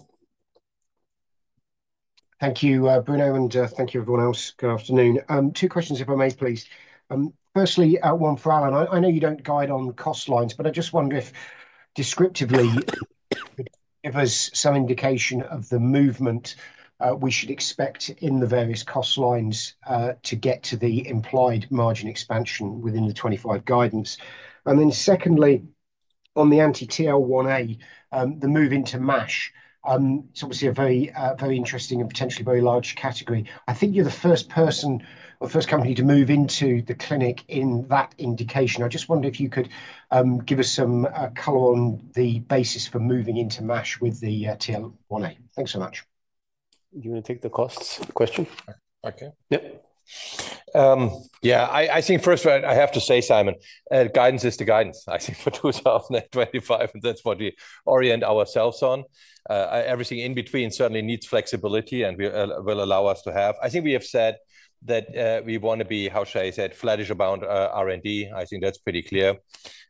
Thank you, Bruno, and thank you, everyone else. Good afternoon. Two questions, if I may, please. Firstly, one for Alan. I know you don't guide on cost lines, but I just wonder if descriptively it gives us some indication of the movement we should expect in the various cost lines to get to the implied margin expansion within the 25 guidance. And then secondly, on the anti-TL1A, the move into MASH, it's obviously a very interesting and potentially very large category. I think you're the first person or first company to move into the clinic in that indication. I just wondered if you could give us some color on the basis for moving into MASH with the TL1A. Thanks so much.
Do you want to take the costs question?
Okay. Yeah. Yeah, I think first I have to say, Simon, guidance is to guidance. I think for 2025, that's what we orient ourselves on. Everything in between certainly needs flexibility and will allow us to have. I think we have said that we want to be, how should I say it, flattish about R&D. I think that's pretty clear.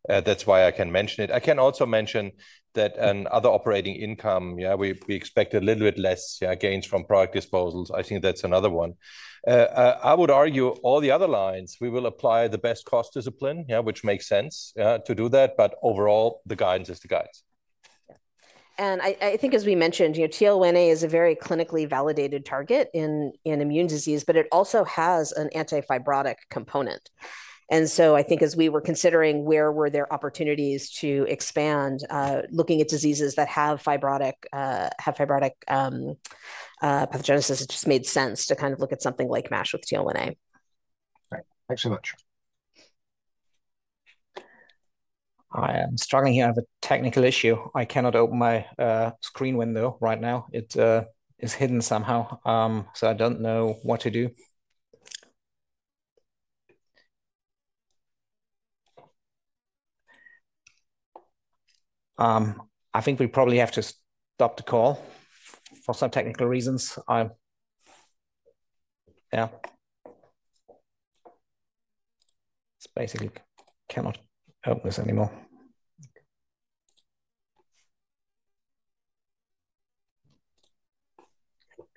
That's why I can mention it. I can also mention that on other operating income, yeah, we expect a little bit less gains from product disposals. I think that's another one. I would argue all the other lines, we will apply the best cost discipline, which makes sense to do that, but overall, the guidance is to guidance.
I think as we mentioned, TL1A is a very clinically validated target in immune disease, but it also has an anti-fibrotic component. So I think as we were considering where there were opportunities to expand, looking at diseases that have fibrotic pathogenesis, it just made sense to kind of look at something like MASH with TL1A.
Thanks so much.
I am struggling here. I have a technical issue. I cannot open my screen window right now. It is hidden somehow, so I don't know what to do. I think we probably have to stop the call for some technical reasons. Yeah. It's basically cannot open this anymore.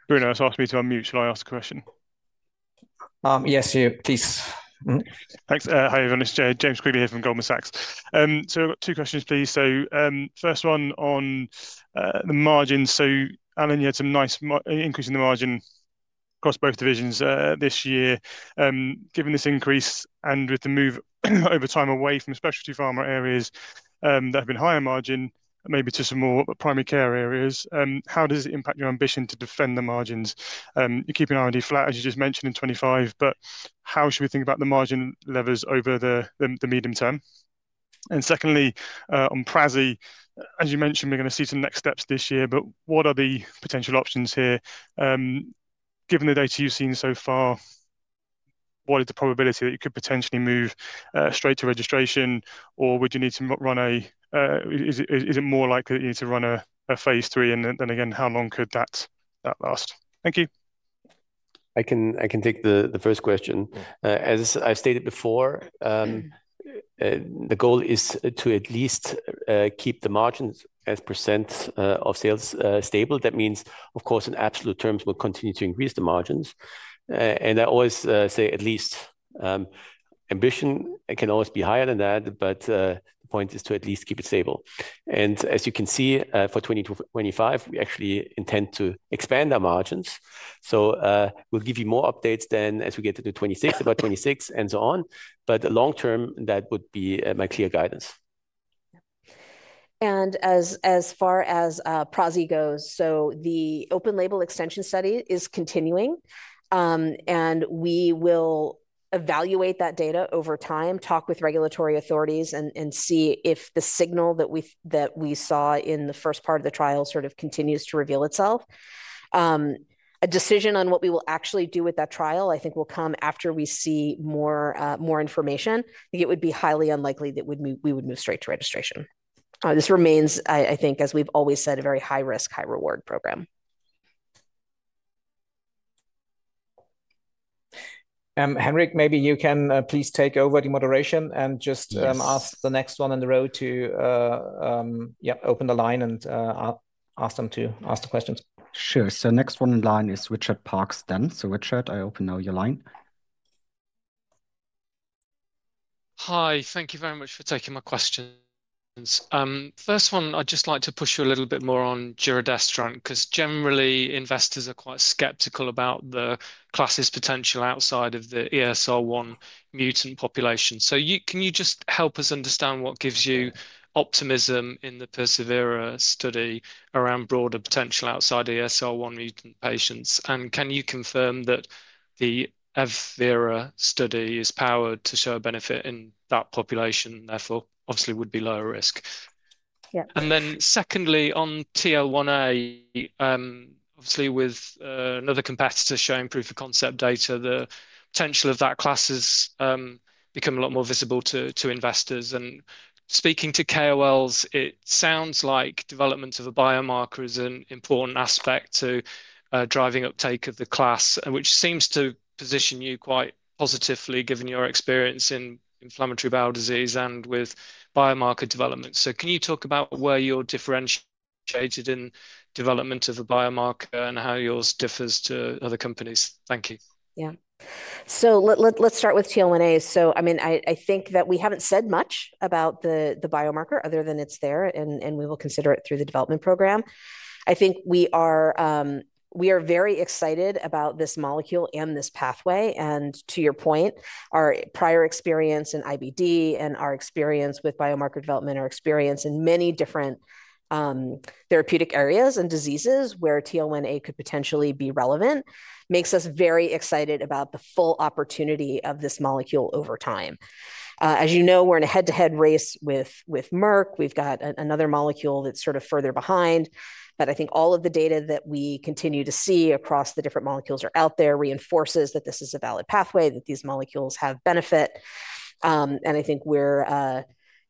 Bruno has asked me to unmute. Shall I ask a question?
Yes, please.
Thanks. Hi, everyone. It's James Quigley here from Goldman Sachs. I've got two questions, please. First one on the margins. Alan, you had some nice increase in the margin across both divisions this year. Given this increase and with the move over time away from specialty pharma areas that have been higher margin, maybe to some more primary care areas, how does it impact your ambition to defend the margins? You're keeping R&D flat, as you just mentioned, in 2025, but how should we think about the margin levers over the medium term? And secondly, on prasinezumab, as you mentioned, we're going to see some next steps this year, but what are the potential options here? Given the data you've seen so far, what is the probability that you could potentially move straight to registration, or would you need to run—is it more likely that you need to run a phase III, and then again, how long could that last? Thank you.
I can take the first question. As I've stated before, the goal is to at least keep the margins as % of sales stable. That means, of course, in absolute terms, we'll continue to increase the margins. And I always say at least ambition can always be higher than that, but the point is to at least keep it stable. And as you can see, for 2025, we actually intend to expand our margins. So we'll give you more updates then as we get to 26, about 26, and so on. But long-term, that would be my clear guidance.
And as far as prasinezumab goes, so the open label extension study is continuing, and we will evaluate that data over time, talk with regulatory authorities, and see if the signal that we saw in the first part of the trial sort of continues to reveal itself. A decision on what we will actually do with that trial, I think, will come after we see more information. It would be highly unlikely that we would move straight to registration. This remains, I think, as we've always said, a very high-risk, high-reward program.
Henrik, maybe you can please take over the moderation and just ask the next one in the row to open the line and ask them to ask the questions.
Sure. So, next one in line is Richard Parkes. So, Richard, I open now your line. Hi. Thank you very much for taking my questions. First one, I'd just like to push you a little bit more on giredestrant, because generally, investors are quite skeptical about the class's potential outside of the ESR1 mutant population. So can you just help us understand what gives you optimism in the persevERA study around broader potential outside ESR1 mutant patients? And can you confirm that the evERA study is powered to show a benefit in that population, therefore, obviously would be lower risk?
Yeah. And then secondly, on TL1A, obviously with another competitor showing proof of concept data, the potential of that class has become a lot more visible to investors. And speaking to KOLs, it sounds like development of a biomarker is an important aspect to driving uptake of the class, which seems to position you quite positively given your experience in inflammatory bowel disease and with biomarker development. So can you talk about where you're differentiated in development of a biomarker and how yours differs to other companies? Thank you. Yeah. So let's start with TL1A. So I mean, I think that we haven't said much about the biomarker other than it's there, and we will consider it through the development program. I think we are very excited about this molecule and this pathway. And to your point, our prior experience in IBD and our experience with biomarker development, our experience in many different therapeutic areas and diseases where TL1A could potentially be relevant makes us very excited about the full opportunity of this molecule over time. As you know, we're in a head-to-head race with Merck. We've got another molecule that's sort of further behind. But I think all of the data that we continue to see across the different molecules are out there reinforces that this is a valid pathway, that these molecules have benefit. I think we're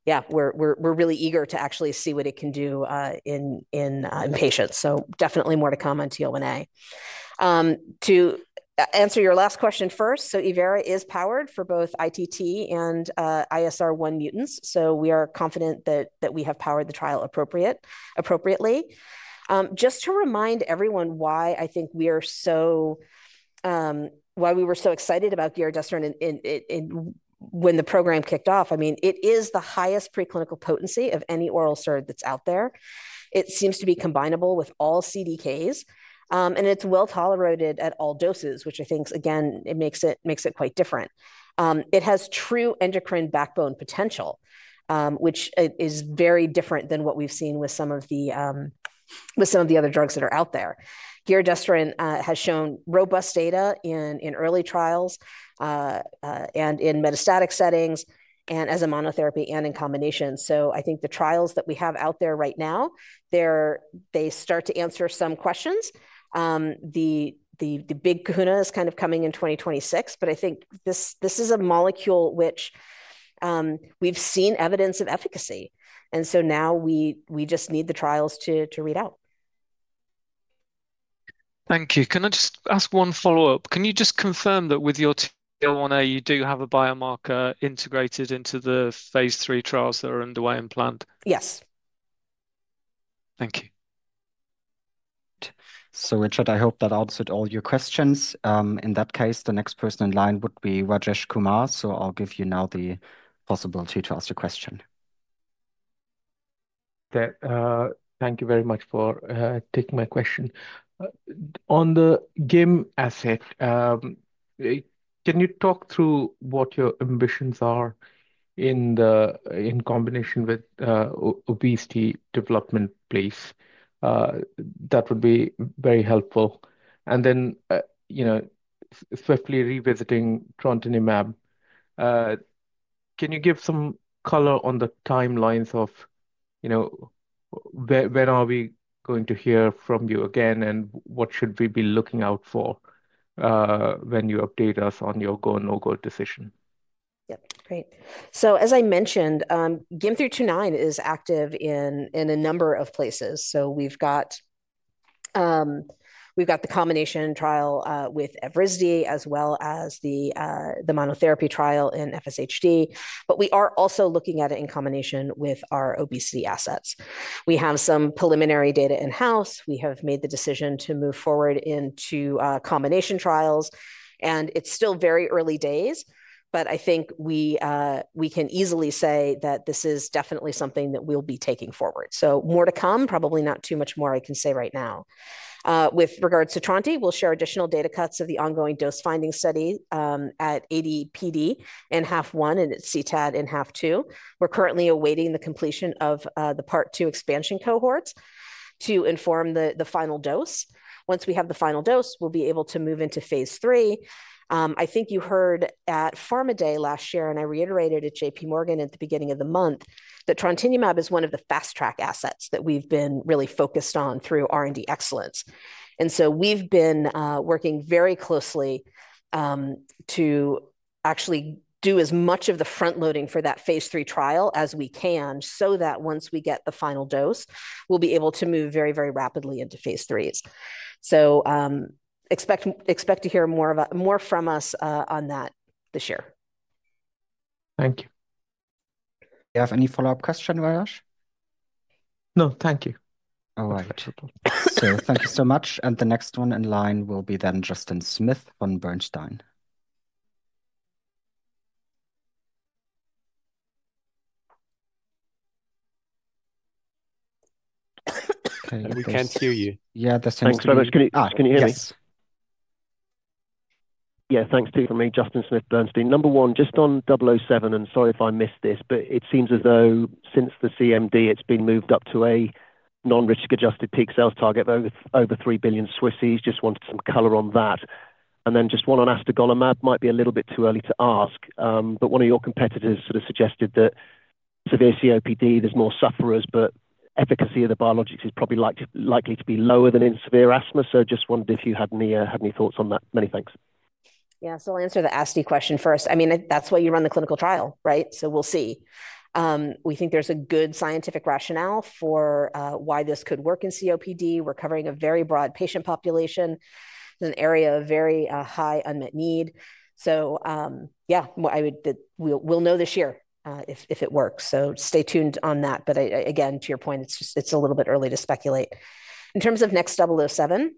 really eager to actually see what it can do in patients. So definitely more to come on TL1A. To answer your last question first, so evERA is powered for both ITT and ESR1 mutants. So we are confident that we have powered the trial appropriately. Just to remind everyone why I think we are so, why we were so excited about giredestrant when the program kicked off, I mean, it is the highest preclinical potency of any oral SERD that's out there. It seems to be combinable with all CDKs, and it's well tolerated at all doses, which I think, again, it makes it quite different. It has true endocrine backbone potential, which is very different than what we've seen with some of the other drugs that are out there. Giredestrant has shown robust data in early trials and in metastatic settings and as a monotherapy and in combination, so I think the trials that we have out there right now, they start to answer some questions. The big kahuna is kind of coming in 2026, but I think this is a molecule which we've seen evidence of efficacy, and so now we just need the trials to read out. Thank you. Can I just ask one follow-up? Can you just confirm that with your TL1A, you do have a biomarker integrated into the phase III trials that are underway and planned? Yes. Thank you.
So Richard, I hope that answered all your questions. In that case, the next person in line would be Rajesh Kumar. So I'll give you now the possibility to ask your question. Thank you very much for taking my question. On the GYM asset, can you talk through what your ambitions are in combination with obesity development, please? That would be very helpful. And then swiftly revisiting trontinemab, can you give some color on the timelines of when are we going to hear from you again, and what should we be looking out for when you update us on your go/no-go decision?
Yep. Great. So as I mentioned, GYM329 is active in a number of places. So we've got the combination trial with Evrysdi as well as the monotherapy trial in FSHD. But we are also looking at it in combination with our obesity assets. We have some preliminary data in-house. We have made the decision to move forward into combination trials. And it's still very early days, but I think we can easily say that this is definitely something that we'll be taking forward. So more to come, probably not too much more I can say right now. With regards to trontinemab, we'll share additional data cuts of the ongoing dose-finding study at AD/PD and H1 and at CTAD and H2. We're currently awaiting the completion of the part two expansion cohort to inform the final dose. Once we have the final dose, we'll be able to move into phase III. I think you heard at Pharma Day last year, and I reiterated at J.P. Morgan at the beginning of the month that trontinemab is one of the fast-track assets that we've been really focused on through R&D excellence. So we've been working very closely to actually do as much of the front-loading for that phase III trial as we can so that once we get the final dose, we'll be able to move very, very rapidly into phase III. Expect to hear more from us on that this year.
Thank you. Do you have any follow-up questions, Rajesh? No. Thank you. All right. So thank you so much, and the next one in line will be then Justin Smith from Bernstein.
We can't hear you.
Yeah, the same thing.
Thanks, brother. Can you hear me?
Yes.
Yeah. Thank you. I'm Justin Smith, Bernstein. Number one, just on 007, and sorry if I missed this, but it seems as though since the CMD, it's been moved up to a non-IFRS adjusted peak sales target of over 3 billion. Just wanted some color on that. And then just one on astegolimab, might be a little bit too early to ask, but one of your competitors sort of suggested that in severe COPD, there's more sufferers, but efficacy of the biologics is probably likely to be lower than in severe asthma. So just wondered if you had any thoughts on that. Many thanks.
Yeah. So I'll answer the astegolimab question first. I mean, that's why you run the clinical trial, right? So we'll see. We think there's a good scientific rationale for why this could work in COPD. We're covering a very broad patient population. It's an area of very high unmet need. So yeah, we'll know this year if it works. So stay tuned on that. But again, to your point, it's a little bit early to speculate. In terms of NXT007,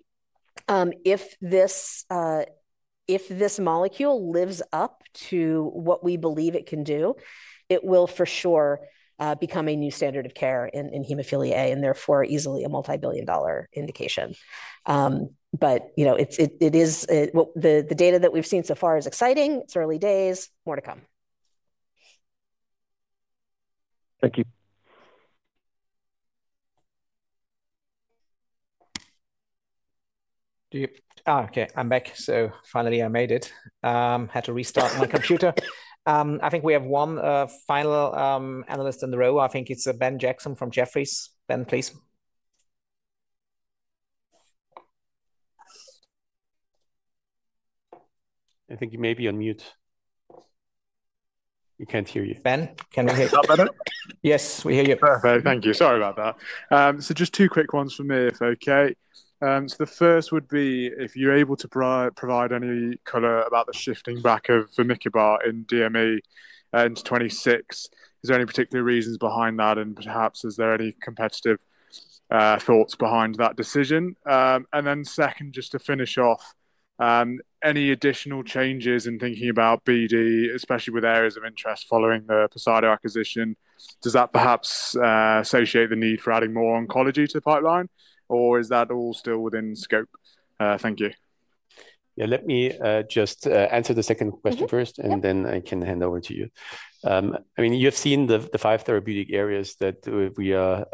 if this molecule lives up to what we believe it can do, it will for sure become a new standard of care in hemophilia A and therefore easily a multi-billion-dollar indication. But the data that we've seen so far is exciting. It's early days. More to come.
Thank you.
Okay. I'm back, so finally, I made it. Had to restart my computer. I think we have one final analyst in the row. I think it's Ben Jackson from Jefferies. Ben, please.
I think you may be on mute. We can't hear you.
Ben? Can we hear you?
Is that better?
Yes, we hear you.
Thank you. Sorry about that. So just two quick ones from me, if okay. So the first would be if you're able to provide any color about the shifting back of vamikibart in DME into 2026, is there any particular reasons behind that? And perhaps is there any competitive thoughts behind that decision? And then second, just to finish off, any additional changes in thinking about BD, especially with areas of interest following the Poseida acquisition? Does that perhaps associate the need for adding more oncology to the pipeline, or is that all still within scope? Thank you.
Yeah. Let me just answer the second question first, and then I can hand over to you. I mean, you have seen the five therapeutic areas that we are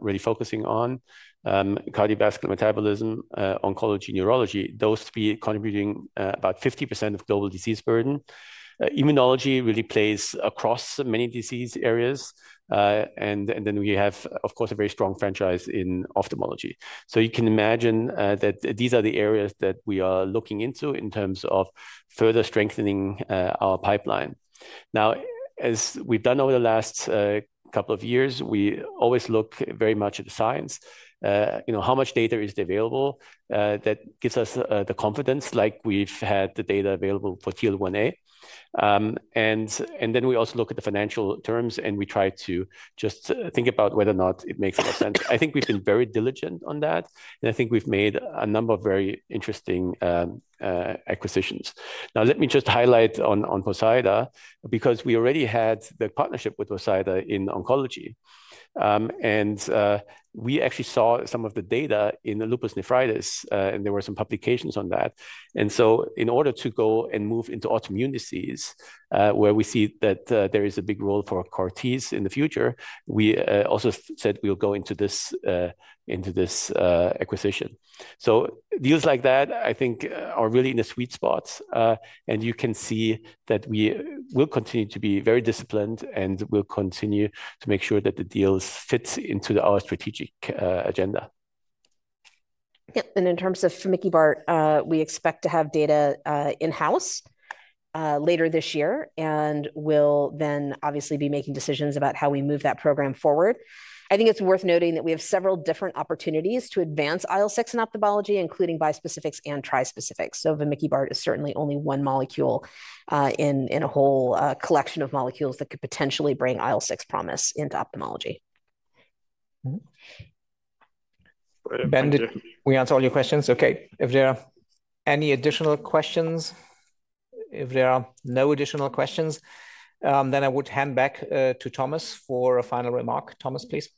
really focusing on: cardiovascular metabolism, oncology, neurology, those three contributing about 50% of global disease burden. Immunology really plays across many disease areas. And then we have, of course, a very strong franchise in ophthalmology. So you can imagine that these are the areas that we are looking into in terms of further strengthening our pipeline. Now, as we've done over the last couple of years, we always look very much at the science. How much data is available that gives us the confidence like we've had the data available for TL1A? And then we also look at the financial terms, and we try to just think about whether or not it makes a lot of sense. I think we've been very diligent on that, and I think we've made a number of very interesting acquisitions. Now, let me just highlight on Poseida, because we already had the partnership with Poseida in oncology. And we actually saw some of the data in lupus nephritis, and there were some publications on that. And so in order to go and move into autoimmune disease, where we see that there is a big role for CAR-Ts in the future, we also said we'll go into this acquisition. So deals like that, I think, are really in a sweet spot. And you can see that we will continue to be very disciplined and will continue to make sure that the deals fit into our strategic agenda.
Yep. And in terms of vamikibart, we expect to have data in-house later this year, and we'll then obviously be making decisions about how we move that program forward. I think it's worth noting that we have several different opportunities to advance IL-6 in ophthalmology, including bispecifics and trispecifics. So vamikibart is certainly only one molecule in a whole collection of molecules that could potentially bring IL-6 promise into ophthalmology.
Ben, did we answer all your questions? Okay. If there are any additional questions, if there are no additional questions, then I would hand back to Thomas for a final remark. Thomas, please.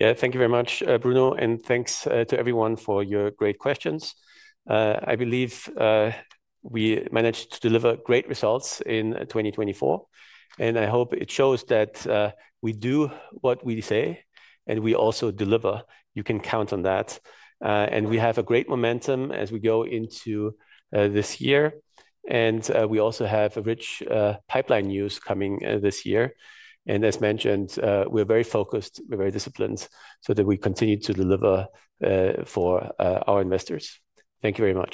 Yeah. Thank you very much, Bruno, and thanks to everyone for your great questions. I believe we managed to deliver great results in 2024, and I hope it shows that we do what we say and we also deliver. You can count on that and we have a great momentum as we go into this year and we also have rich pipeline news coming this year and as mentioned, we're very focused, we're very disciplined so that we continue to deliver for our investors. Thank you very much.